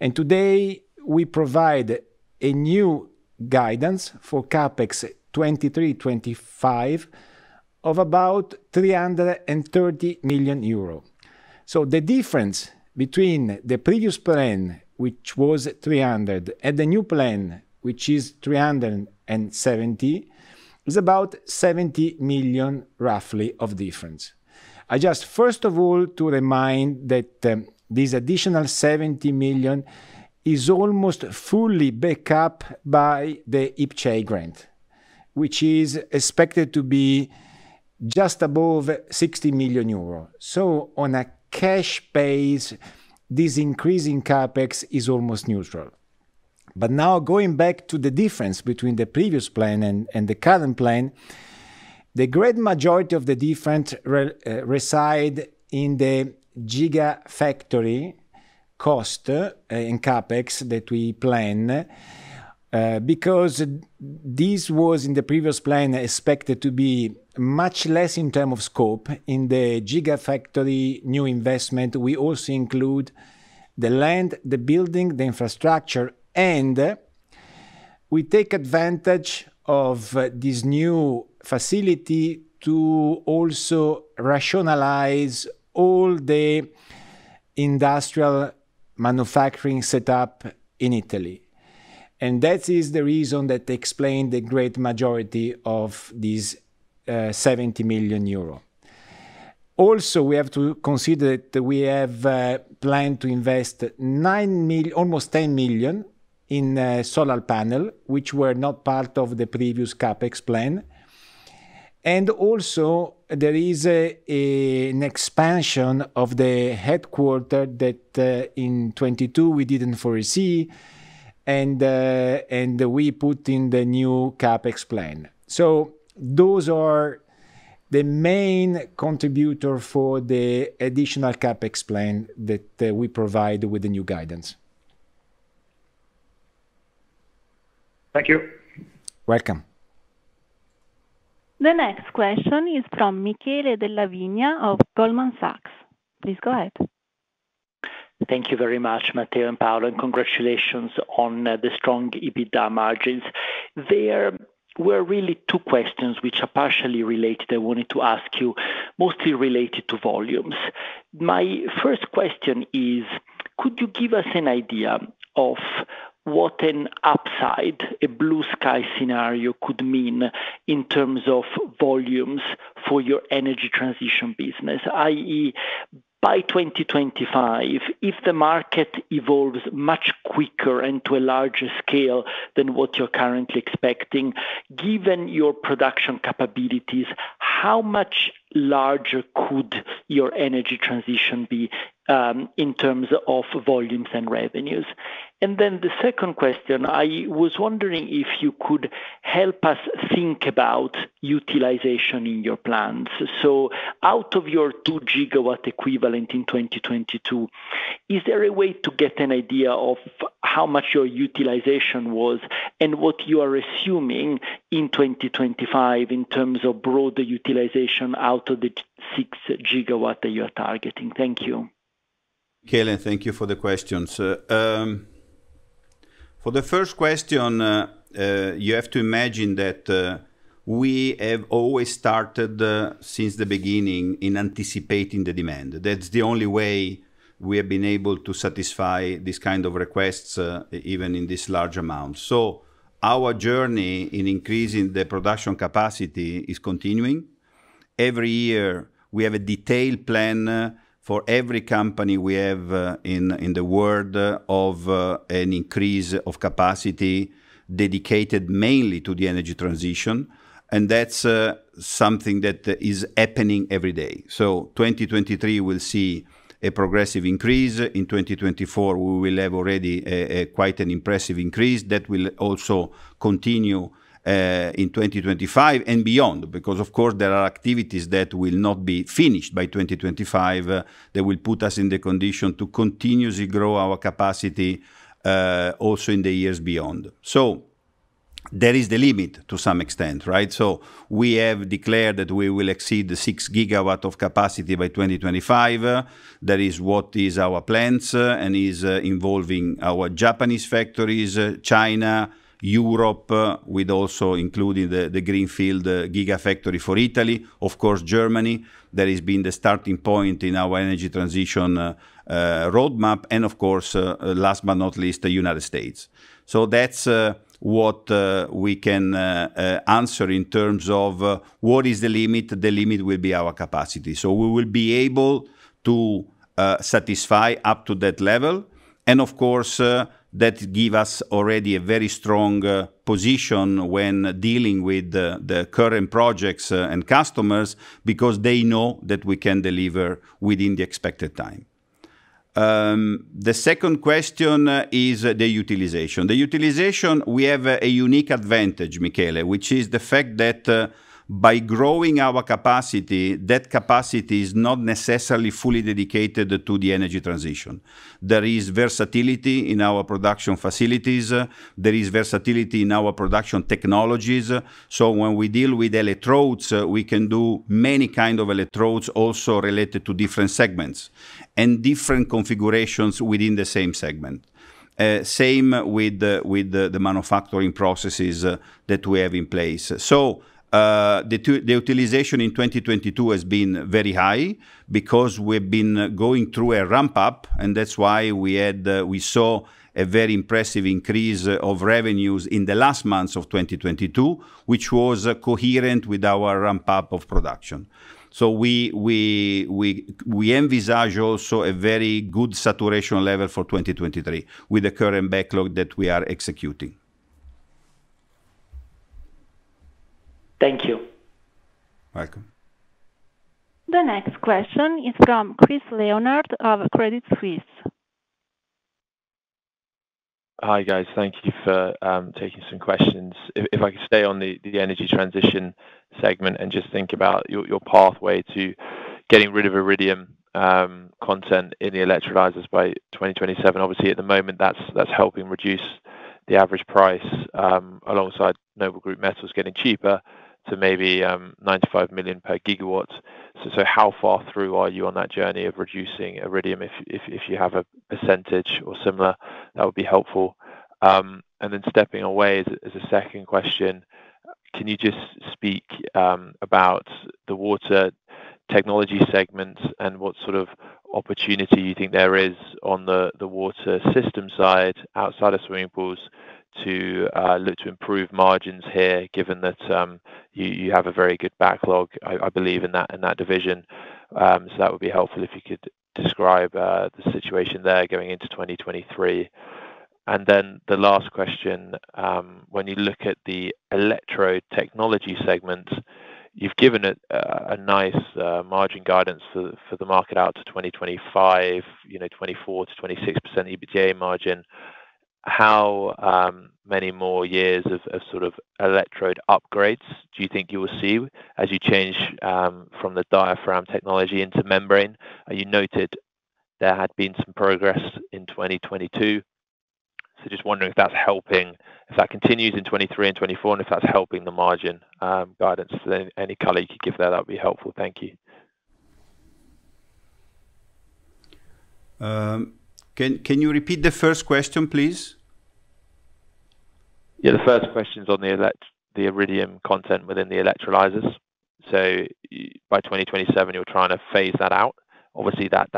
Today, we provide a new guidance for CapEx 2023-2025 of about 330 million euro. The difference between the previous plan, which was 300 million, and the new plan, which is 370 million, is about 70 million, roughly, of difference. I just first of all to remind that this additional 70 million is almost fully back up by the IPCEI grant, which is expected to be just above 60 million euros. On a cash base, this increase in CapEx is almost neutral. Now going back to the difference between the previous plan and the current plan, the great majority of the difference reside in the Gigafactory cost, in CapEx that we plan, because this was, in the previous plan, expected to be much less in term of scope. In the Gigafactory new investment, we also include the land, the building, the infrastructure, and we take advantage of this new facility to also rationalize all the industrial manufacturing set up in Italy. That is the reason that explain the great majority of these 70 million euro. Also, we have to consider that we have planned to invest almost 10 million in solar panel, which were not part of the previous CapEx plan. Also there is a. an expansion of the headquarter that in 2022 we didn't foresee and we put in the new CapEx plan. Those are the main contributor for the additional CapEx plan that we provide with the new guidance. Thank you. Welcome. The next question is from Michele Della Vigna of Goldman Sachs. Please go ahead. Thank you very much Matteo and Paolo, and congratulations on the strong EBITDA margins. There were really two questions which are partially related I wanted to ask you, mostly related to volumes. My first question is: Could you give us an idea of what an upside, a blue sky scenario could mean in terms of volumes for your energy transition business? i.e., by 2025, if the market evolves much quicker and to a larger scale than what you're currently expecting, given your production capabilities? How much larger could your energy transition be in terms of volumes and revenues? The second question, I was wondering if you could help us think about utilization in your plants. Out of your 2 gigawatt equivalent in 2022, is there a way to get an idea of how much your utilization was and what you are assuming in 2025 in terms of broader utilization out of the 6 gigawatt that you are targeting? Thank you. Michele, thank you for the questions. For the first question, you have to imagine that we have always started since the beginning in anticipating the demand. That's the only way we have been able to satisfy this kind of requests, even in this large amount. Our journey in increasing the production capacity is continuing. Every year, we have a detailed plan for every company we have in the world of an increase of capacity dedicated mainly to the energy transition, and that's something that is happening every day. 2023 will see a progressive increase. In 2024, we will have already a quite an impressive increase that will also continue in 2025 and beyond. Of course, there are activities that will not be finished by 2025 that will put us in the condition to continuously grow our capacity, also in the years beyond. So, there is the limit to some extent, right? So, we have declared that we will exceed the 6 gigawatt of capacity by 2025. That is what is our plans, and is involving our Japanese factories, China, Europe, with also including the Greenfield gigafactory for Italy, of course, Germany. That has been the starting point in our energy transition roadmap, and of course, last but not least, the United States. So that's what we can answer in terms of what is the limit. The limit will be our capacity. So we will be able to satisfy up to that level. Of course, that give us already a very strong position when dealing with the current projects and customers because they know that we can deliver within the expected time. The second question is the utilization. The utilization, we have a unique advantage Michele, which is the fact that by growing our capacity, that capacity is not necessarily fully dedicated to the energy transition. There is versatility in our production facilities, there is versatility in our production technologies. When we deal with electrodes, we can do many kind of electrodes also related to different segments and different configurations within the same segment. Same with the manufacturing processes that we have in place. The utilization in 2022 has been very high because we've been going through a ramp up. That's why we saw a very impressive increase of revenues in the last months of 2022, which was coherent with our ramp up of production. We envisage also a very good saturation level for 2023 with the current backlog that we are executing. Thank you. Welcome. The next question is from Chris Leonard of Credit Suisse. Hi guys. Thank you for taking some questions. If I could stay on the energy transition segment and just think about your pathway to getting rid of iridium content in the electrolyzers by 2027. Obviously, at the moment, that's helping reduce the average price alongside noble group metals getting cheaper to maybe 9 million-5 million per gigawatts. How far through are you on that journey of reducing iridium? If you have a percentage or similar, that would be helpful. Stepping away as a, as a second question, can you just speak about the Water Technology segment and what sort of opportunity you think there is on the water system side outside of swimming pools to look to improve margins here, given that you have a very good backlog, I believe in that division. That would be helpful if you could describe the situation there going into 2023. The last question, when you look at the Electrode Technology segment, you've given it a nice margin guidance for the market out to 2025, you know, 24%-26% EBITDA margin. How many more years of sort of electrode upgrades do you think you will see as you change from the diaphragm technology into membrane? You noted there had been some progress in 2022. Just wondering if that's helping, if that continues in 2023 and 2024, and if that's helping the margin, guidance? Any color you could give that'd be helpful. Thank you. Can you repeat the first question, please? Yeah. The first question is on the iridium content within the electrolyzers. By 2027, you're trying to phase that out. Obviously, that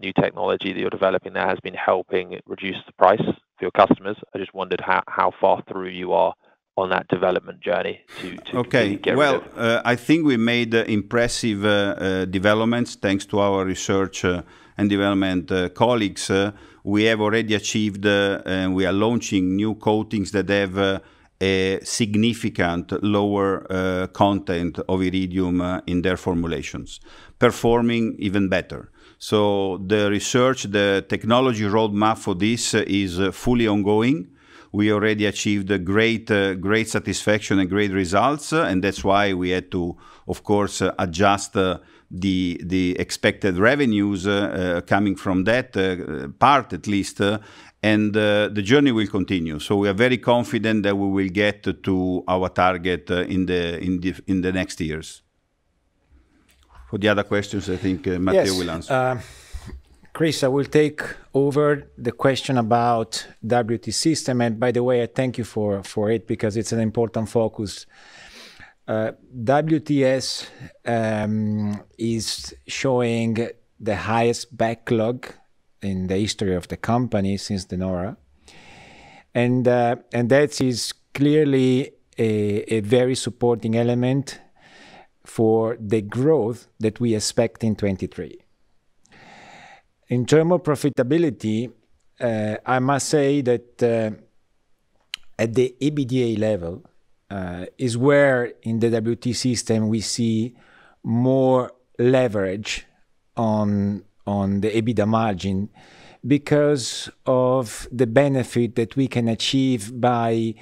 new technology that you're developing there has been helping reduce the price for your customers. I just wondered how far through you are on that development journey to completely get rid of it. Okay. Well, I think we made impressive developments thanks to our research and development colleagues. We have already achieved and we are launching new coatings that have a significant lower content of iridium in their formulations, performing even better. The research, the technology roadmap for this is fully ongoing. We already achieved a great great satisfaction and great results, and that's why we had to, of course, adjust the expected revenues coming from that part at least. The journey will continue. We are very confident that we will get to our target in the next years. For the other questions, I think Matteo will answer. Yes. Chris, I will take over the question about WTS system. By the way, thank you for it because it's an important focus. WTS is showing the highest backlog in the history of the company since De Nora. That is clearly a very supporting element for the growth that we expect in 2023. In term of profitability, I must say that at the EBITDA level, is where in the WTS system we see more leverage on the EBITDA margin because of the benefit that we can achieve by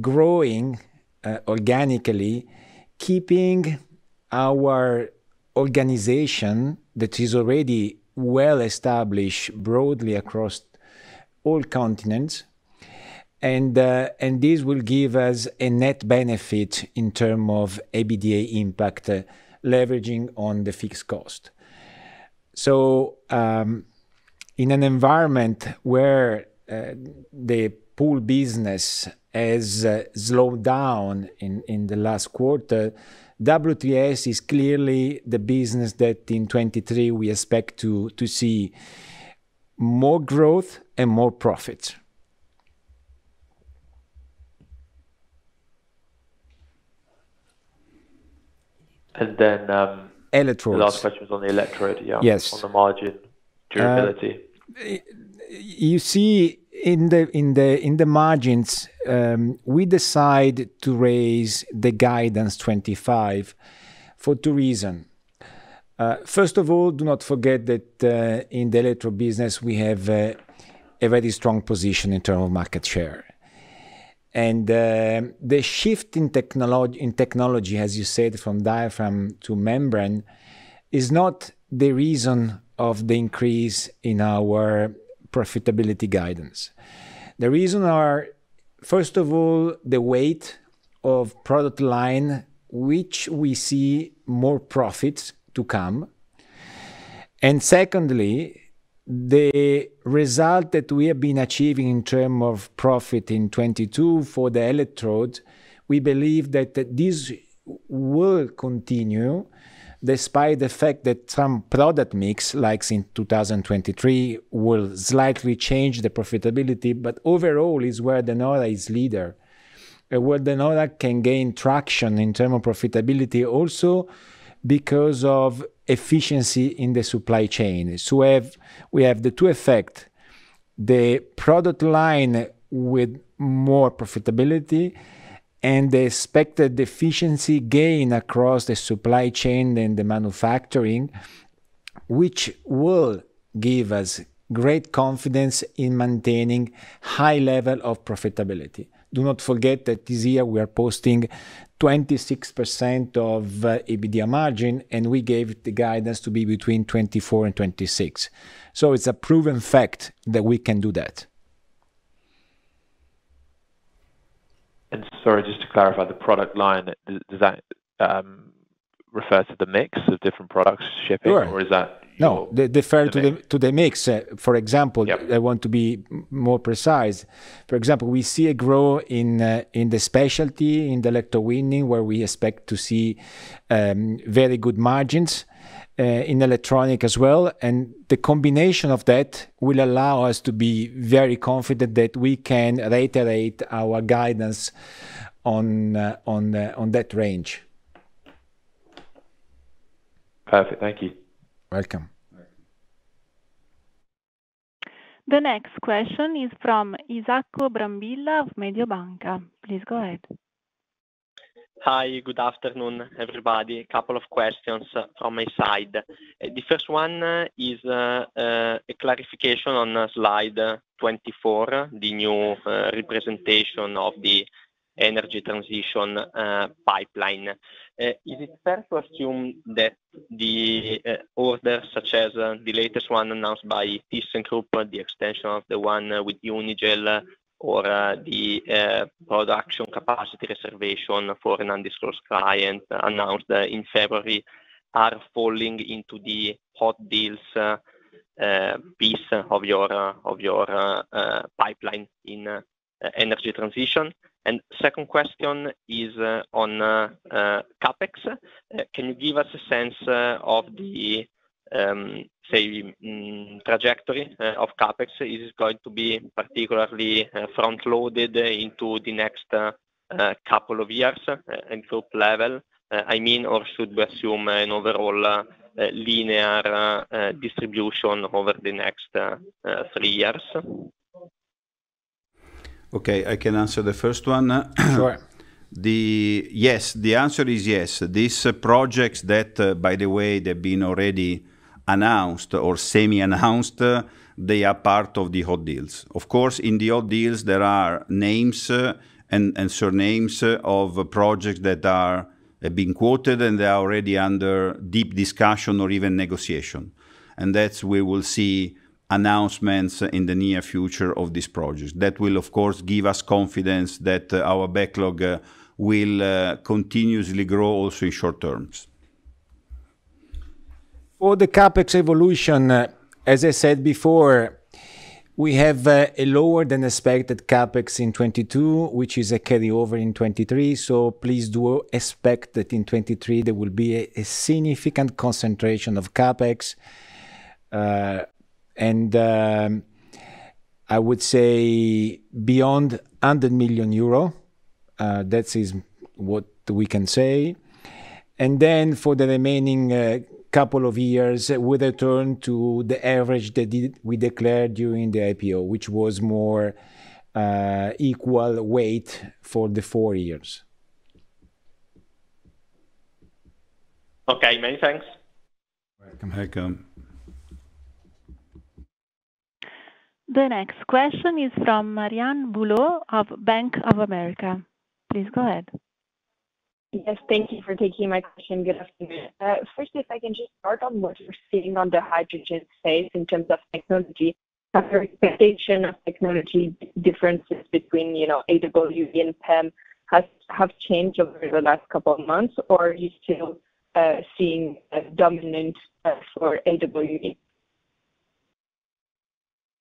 growing organically, keeping our organization that is already well established broadly across all continents. This will give us a net benefit in term of EBITDA impact leveraging on the fixed cost. In an environment where the pool business has slowed down in the last quarter, WTS is clearly the business that in 2023 we expect to see more growth and more profit. And then, um- Electrodes. The last question was on the electrode, yeah. Yes. On the margin durability. You see in the margins, we decide to raise the guidance 25 for two reason. First of all, do not forget that, in the electro business we have a very strong position in term of market share. The shift in technology, as you said, from diaphragm to membrane, is not the reason of the increase in our profitability guidance. The reason are, first of all, the weight of product line which we see more profits to come. Secondly, the result that we have been achieving in term of profit in 2022 for the electrodes, we believe that this will continue despite the fact that some product mix, like in 2023, will slightly change the profitability. Overall is where De Nora is leader. Where De Nora can gain traction in term of profitability also because of efficiency in the supply chain. We have, we have the two effect, the product line with more profitability and the expected efficiency gain across the supply chain and the manufacturing, which will give us great confidence in maintaining high level of profitability. Do not forget that this year we are posting 26% of EBITDA margin, and we gave the guidance to be between 2024 and 2026. It's a proven fact that we can do that. Sorry, just to clarify, the product line, does that refer to the mix of different products shipping? Sure. Is that usual? No. The mix. They refer to the mix. Yep... I want to be more precise. For example, we see a growth in the specialty, in the electrowinning, where we expect to see very good margins, in electronic as well. The combination of that will allow us to be very confident that we can reiterate our guidance on that range. Perfect. Thank you. Welcome. All right. The next question is from Isacco Brambilla of Mediobanca. Please go ahead. Hi, Good afternoon everybody. A couple of questions from my side. The first one is a clarification on slide 24, the new representation of the energy transition pipeline. Is it fair to assume that the orders such as the latest one announced by thyssenkrupp, the extension of the one with Unigel or the production capacity reservation for an undisclosed client announced in February are falling into the hot deals... piece of your uh pipeline in uh energy transition. Second question is uh on uh CapEx. Can you give us a sense uh of the say trajectory uh of CapEx? Is it going to be particularly uh front-loaded into the next uh couple years uh in group level? I mean, or should we assume an overall uh linear uh distribution over the next uh 3 years? Okay, I can answer the first one. Sure. Yes. The answer is yes. These projects that, by the way, they've been already announced or semi-announced, they are part of the hot deals. Of course, in the hot deals, there are names and surnames of projects that have been quoted and they are already under deep discussion or even negotiation. We will see announcements in the near future of these projects. That will, of course, give us confidence that our backlog will continuously grow also in short terms. For the CapEx evolution, as I said before, we have a lower than expected CapEx in 22, which is a carryover in 23. Please do expect that in 2023 there will be a significant concentration of CapEx, and I would say beyond 100 million euro, that is what we can say. Then for the remaining couple of years, we return to the average that we declared during the IPO, which was more equal weight for the four years. Okay. Many thanks. Welcome. The next question is from Marianne Bulot of Bank of America. Please go ahead. Yes, thank you for taking my question. Good afternoon. Firstly, if I can just start on what you're seeing on the hydrogen space in terms of technology. Have your expectation of technology differences between, you know, AWE and PEM have changed over the last couple of months or are you still seeing a dominant for AWE?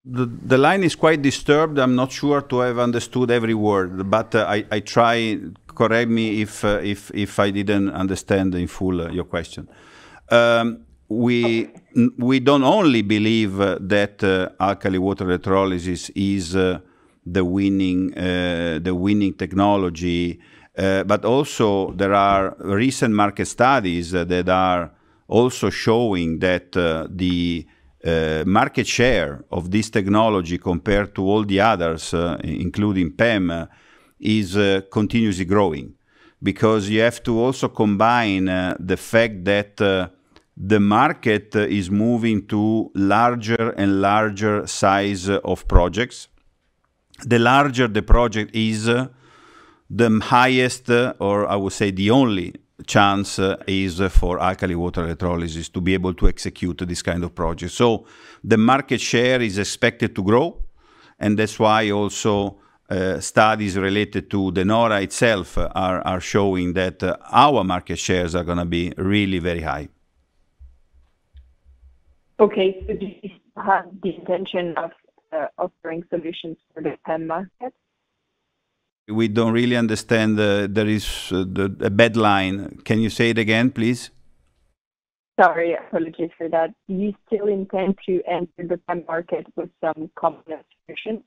The line is quite disturbed. I'm not sure to have understood every word, but I try. Correct me if I didn't understand in full your question. We don't only believe that alkaline water electrolysis is the winning technology, but also there are recent market studies that are also showing that the market share of this technology compared to all the others, including PEM, is continuously growing. Because you have to also combine the fact that the market is moving to larger and larger size of projects. The larger the project is, the highest, or I would say the only chance, is for alkaline water electrolysis to be able to execute this kind of project. The market share is expected to grow, and that's why also, studies related to De Nora itself are showing that, our market shares are gonna be really very high. Okay. Do you still have the intention of offering solutions for the PEM market? We don't really understand. There is a bad line. Can you say it again, please? Sorry, apologies for that. Do you still intend to enter the PEM market with some component solutions?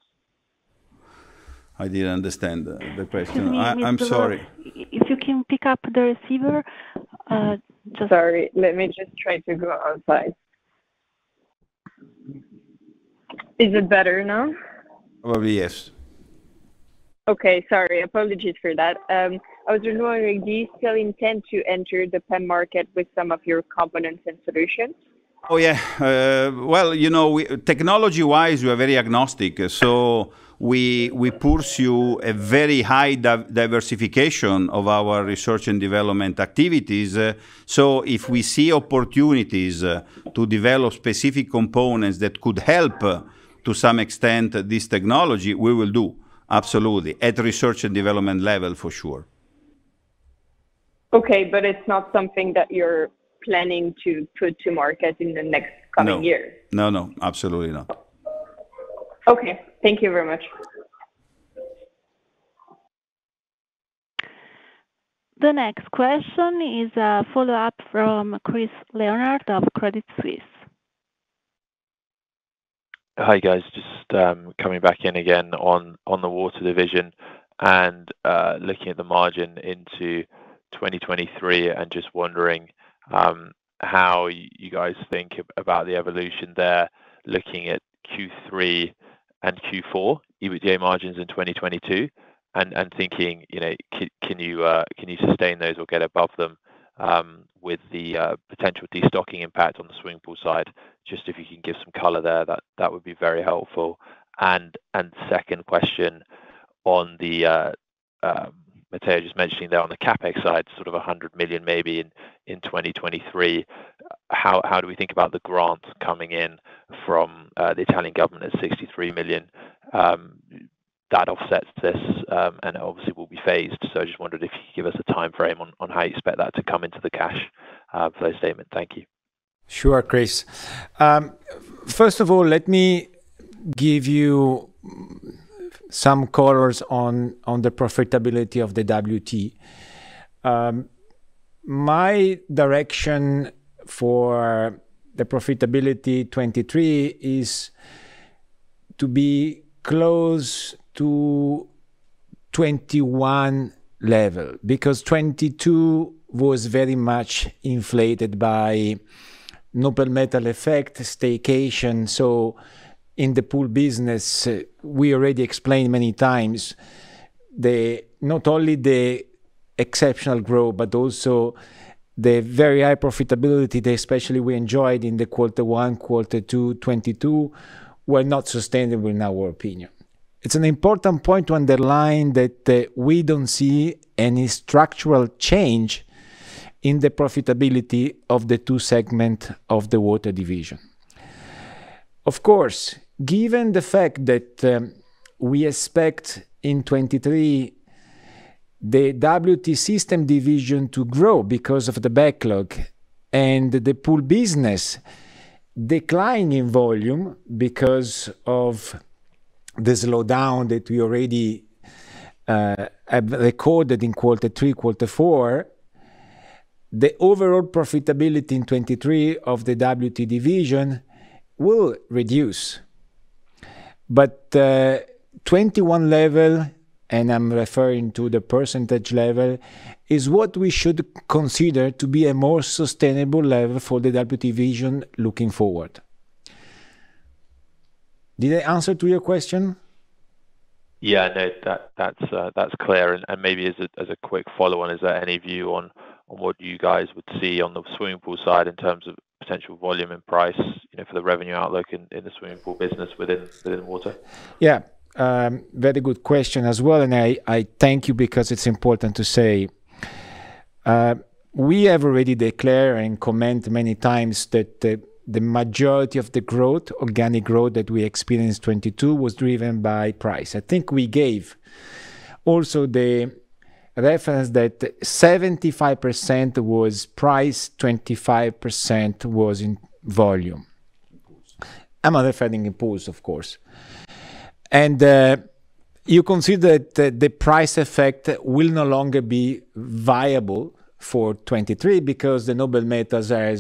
I didn't understand the question. I'm sorry. Excuse me Ms. Bulot. If you can pick up the receiver. Sorry. Let me just try to go outside. Is it better now? Probably, yes. Okay Sorry. Apologies for that. I was wondering, do you still intend to enter the PEM market with some of your components and solutions? Oh, yeah. Well, you know, technology-wise, we are very agnostic, so we pursue a very high diversification of our research and development activities. If we see opportunities to develop specific components that could help to some extent this technology, we will do, absolutely, at research and development level for sure. Okay, but it's not something that you're planning to put to market in the next coming years? No. No, no, absolutely not. Okay. Thank you very much. The next question is a follow-up from Chris Leonard of Credit Suisse. Hi guys. Just coming back in again on the water division and looking at the margin into 2023 and just wondering how you guys think about the evolution there, looking at Q3 and Q4 EBITDA margins in 2022 and thinking, you know, can you sustain those or get above them with the potential destocking impact on the swimming pool side? Just if you can give some color there, that would be very helpful. Second question on Matteo just mentioning there on the CapEx side, sort of 100 million maybe in 2023. How do we think about the grant coming in from the Italian government at 63 million, that offsets this and obviously will be phased? I just wondered if you could give us a timeframe on how you expect that to come into the cash flow statement. Thank you. Sure Chris. First of all, let me give you some colors on the profitability of the WT. My direction for the profitability 2023 is to be close to 2021 level, because 2022 was very much inflated by noble metal effect, staycation. In the pool business, we already explained many times not only the exceptional growth, but also the very high profitability that especially we enjoyed in the quarter 1, quarter 2, 2022 were not sustainable in our opinion. It's an important point to underline that we don't see any structural change in the profitability of the two segment of the water division. Of course, given the fact that we expect in 2023 the WT system division to grow because of the backlog and the pool business decline in volume because of the slowdown that we already have recorded in quarter three, quarter four, the overall profitability in 2023 of the WT division will reduce. But the 2021 level, and I'm referring to the percentage level, is what we should consider to be a more sustainable level for the WT division looking forward. Did I answer to your question? Yeah. No, that's clear. Maybe as a, as a quick follow on, is there any view on what you guys would see on the swimming pool side in terms of potential volume and price, you know, for the revenue outlook in the swimming pool business within water? Yeah. very good question as well, and I thank you because it's important to say. We have already declare and comment many times that the majority of the growth, organic growth that we experienced 2022 was driven by price. I think we gave also the reference that 75% was price, 25% was in volume. In pools. I'm referring in pools, of course. You consider the price effect will no longer be viable for 2023 because the noble metals are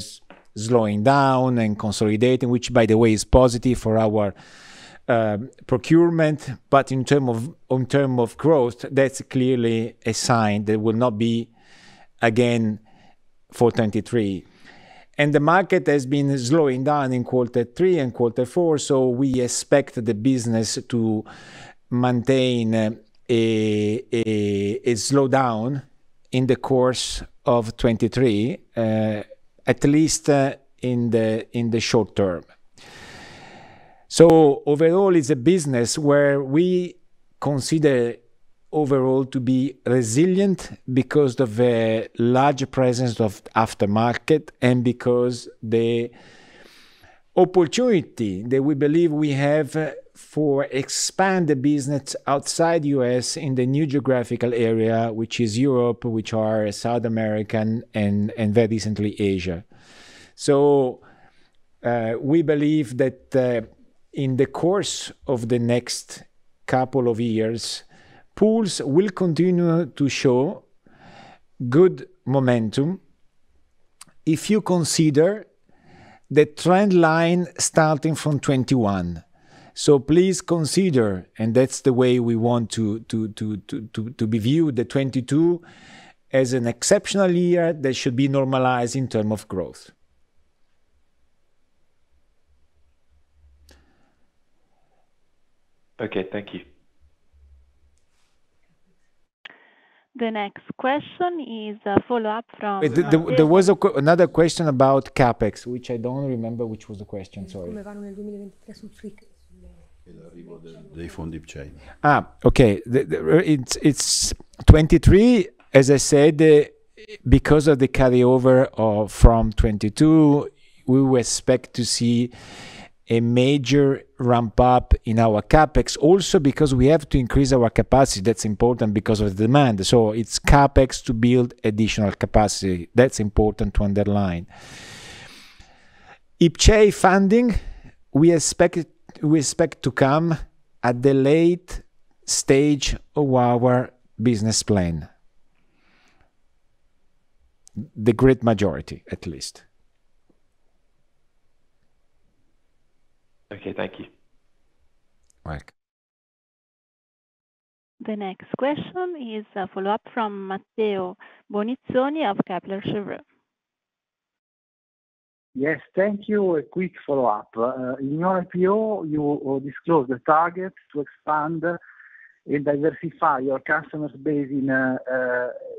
slowing down and consolidating, which by the way is positive for our procurement. On term of growth, that's clearly a sign that will not be again for 2023. The market has been slowing down in quarter three and quarter four, so we expect the business to maintain a slowdown in the course of 2023, at least in the short term. Overall, it's a business where we consider overall to be resilient because of a large presence of aftermarket and because the opportunity that we believe we have for expand the business outside U.S. in the new geographical area, which is Europe, which are South American and very recently Asia. We believe that in the course of the next couple of years, pools will continue to show good momentum if you consider the trend line starting from 2021. Please consider, and that's the way we want to be viewed, the 2022 as an exceptional year that should be normalized in term of growth. Okay Thank you. The next question is a follow-up. There was another question about CapEx, which I don't remember which was the question. Sorry. They're from IPCEI. Okay. The It's 2023, as I said, because of the carryover from 2022, we will expect to see a major ramp up in our CapEx. Also because we have to increase our capacity. That's important because of demand. It's CapEx to build additional capacity. That's important to underline. IPCEI funding, we expect to come at the late stage of our business plan. The great majority, at least. Okay. Thank you. All right. The next question is a follow-up from Matteo Bonizzoni of Kepler Cheuvreux. Yes Thank you, a quick follow-up. In your IPO, you disclosed the target to expand and diversify your customers base in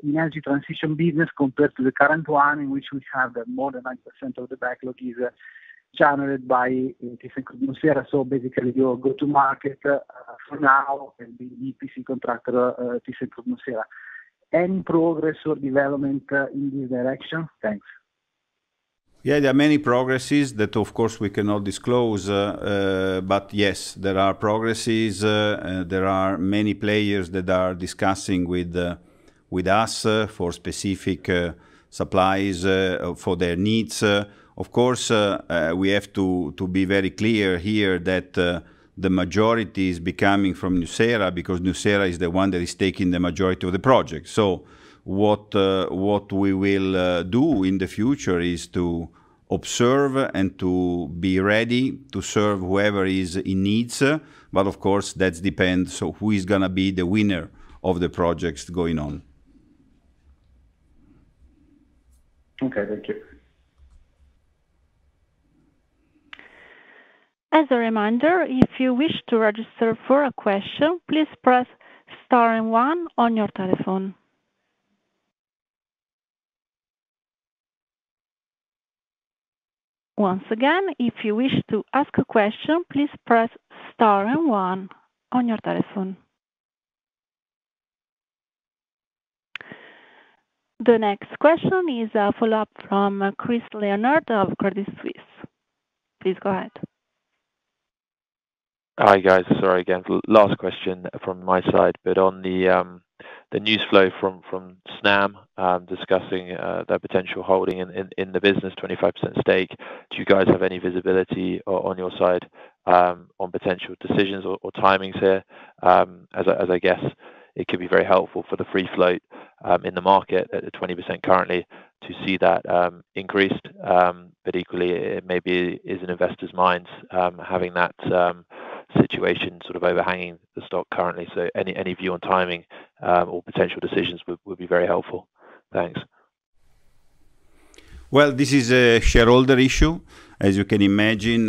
energy transition business compared to the current one in which we have more than 90% of the backlog is channeled by in thyssenkrupp nucera. Basically your go-to market for now can be EPC contractor, thyssenkrupp nucera. Any progress or development in this direction? Thanks. There are many progresses that of course we cannot disclose. Yes, there are progresses. There are many players that are discussing with us for specific supplies for their needs. Of course, we have to be very clear here that the majority is becoming from Nucera because Nucera is the one that is taking the majority of the project. What we will do in the future is to observe and to be ready to serve whoever is in needs. Of course, that depends. Who is gonna be the winner of the projects going on? Okay Thank you. As a reminder, if you wish to register for a question, please press star and one on your telephone. Once again, if you wish to ask a question, please press star and one on your telephone. The next question is a follow-up from Chris Leonard of Credit Suisse. Please go ahead. Hi guys sorry again. Last question from my side. On the news flow from Snam discussing their potential holding in the business 25% stake, do you guys have any visibility on your side on potential decisions or timings here? I guess it could be very helpful for the free float in the market at the 20% currently to see that increased. Equally it maybe is in investors' minds having that situation sort of overhanging the stock currently. Any view on timing or potential decisions would be very helpful. Thanks. This is a shareholder issue, as you can imagine.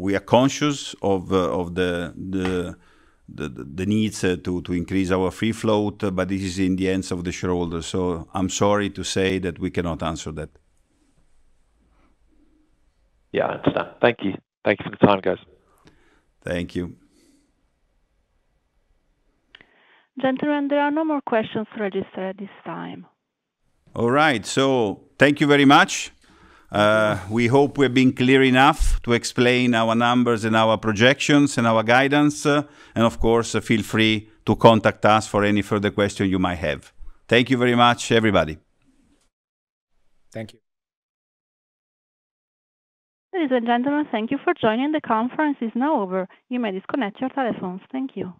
We are conscious of the needs to increase our free float, but this is in the hands of the shareholders, so I'm sorry to say that we cannot answer that. Yeah understood. Thank you. Thanks for the time, guys. Thank you. Gentlemen, there are no more questions registered at this time. All right. So thank you very much. We hope we've been clear enough to explain our numbers and our projections and our guidance. Of course, feel free to contact us for any further question you might have. Thank you very much, everybody. Thank you. Ladies and gentlemen, thank you for joining. The conference is now over. You may disconnect your telephones. Thank you.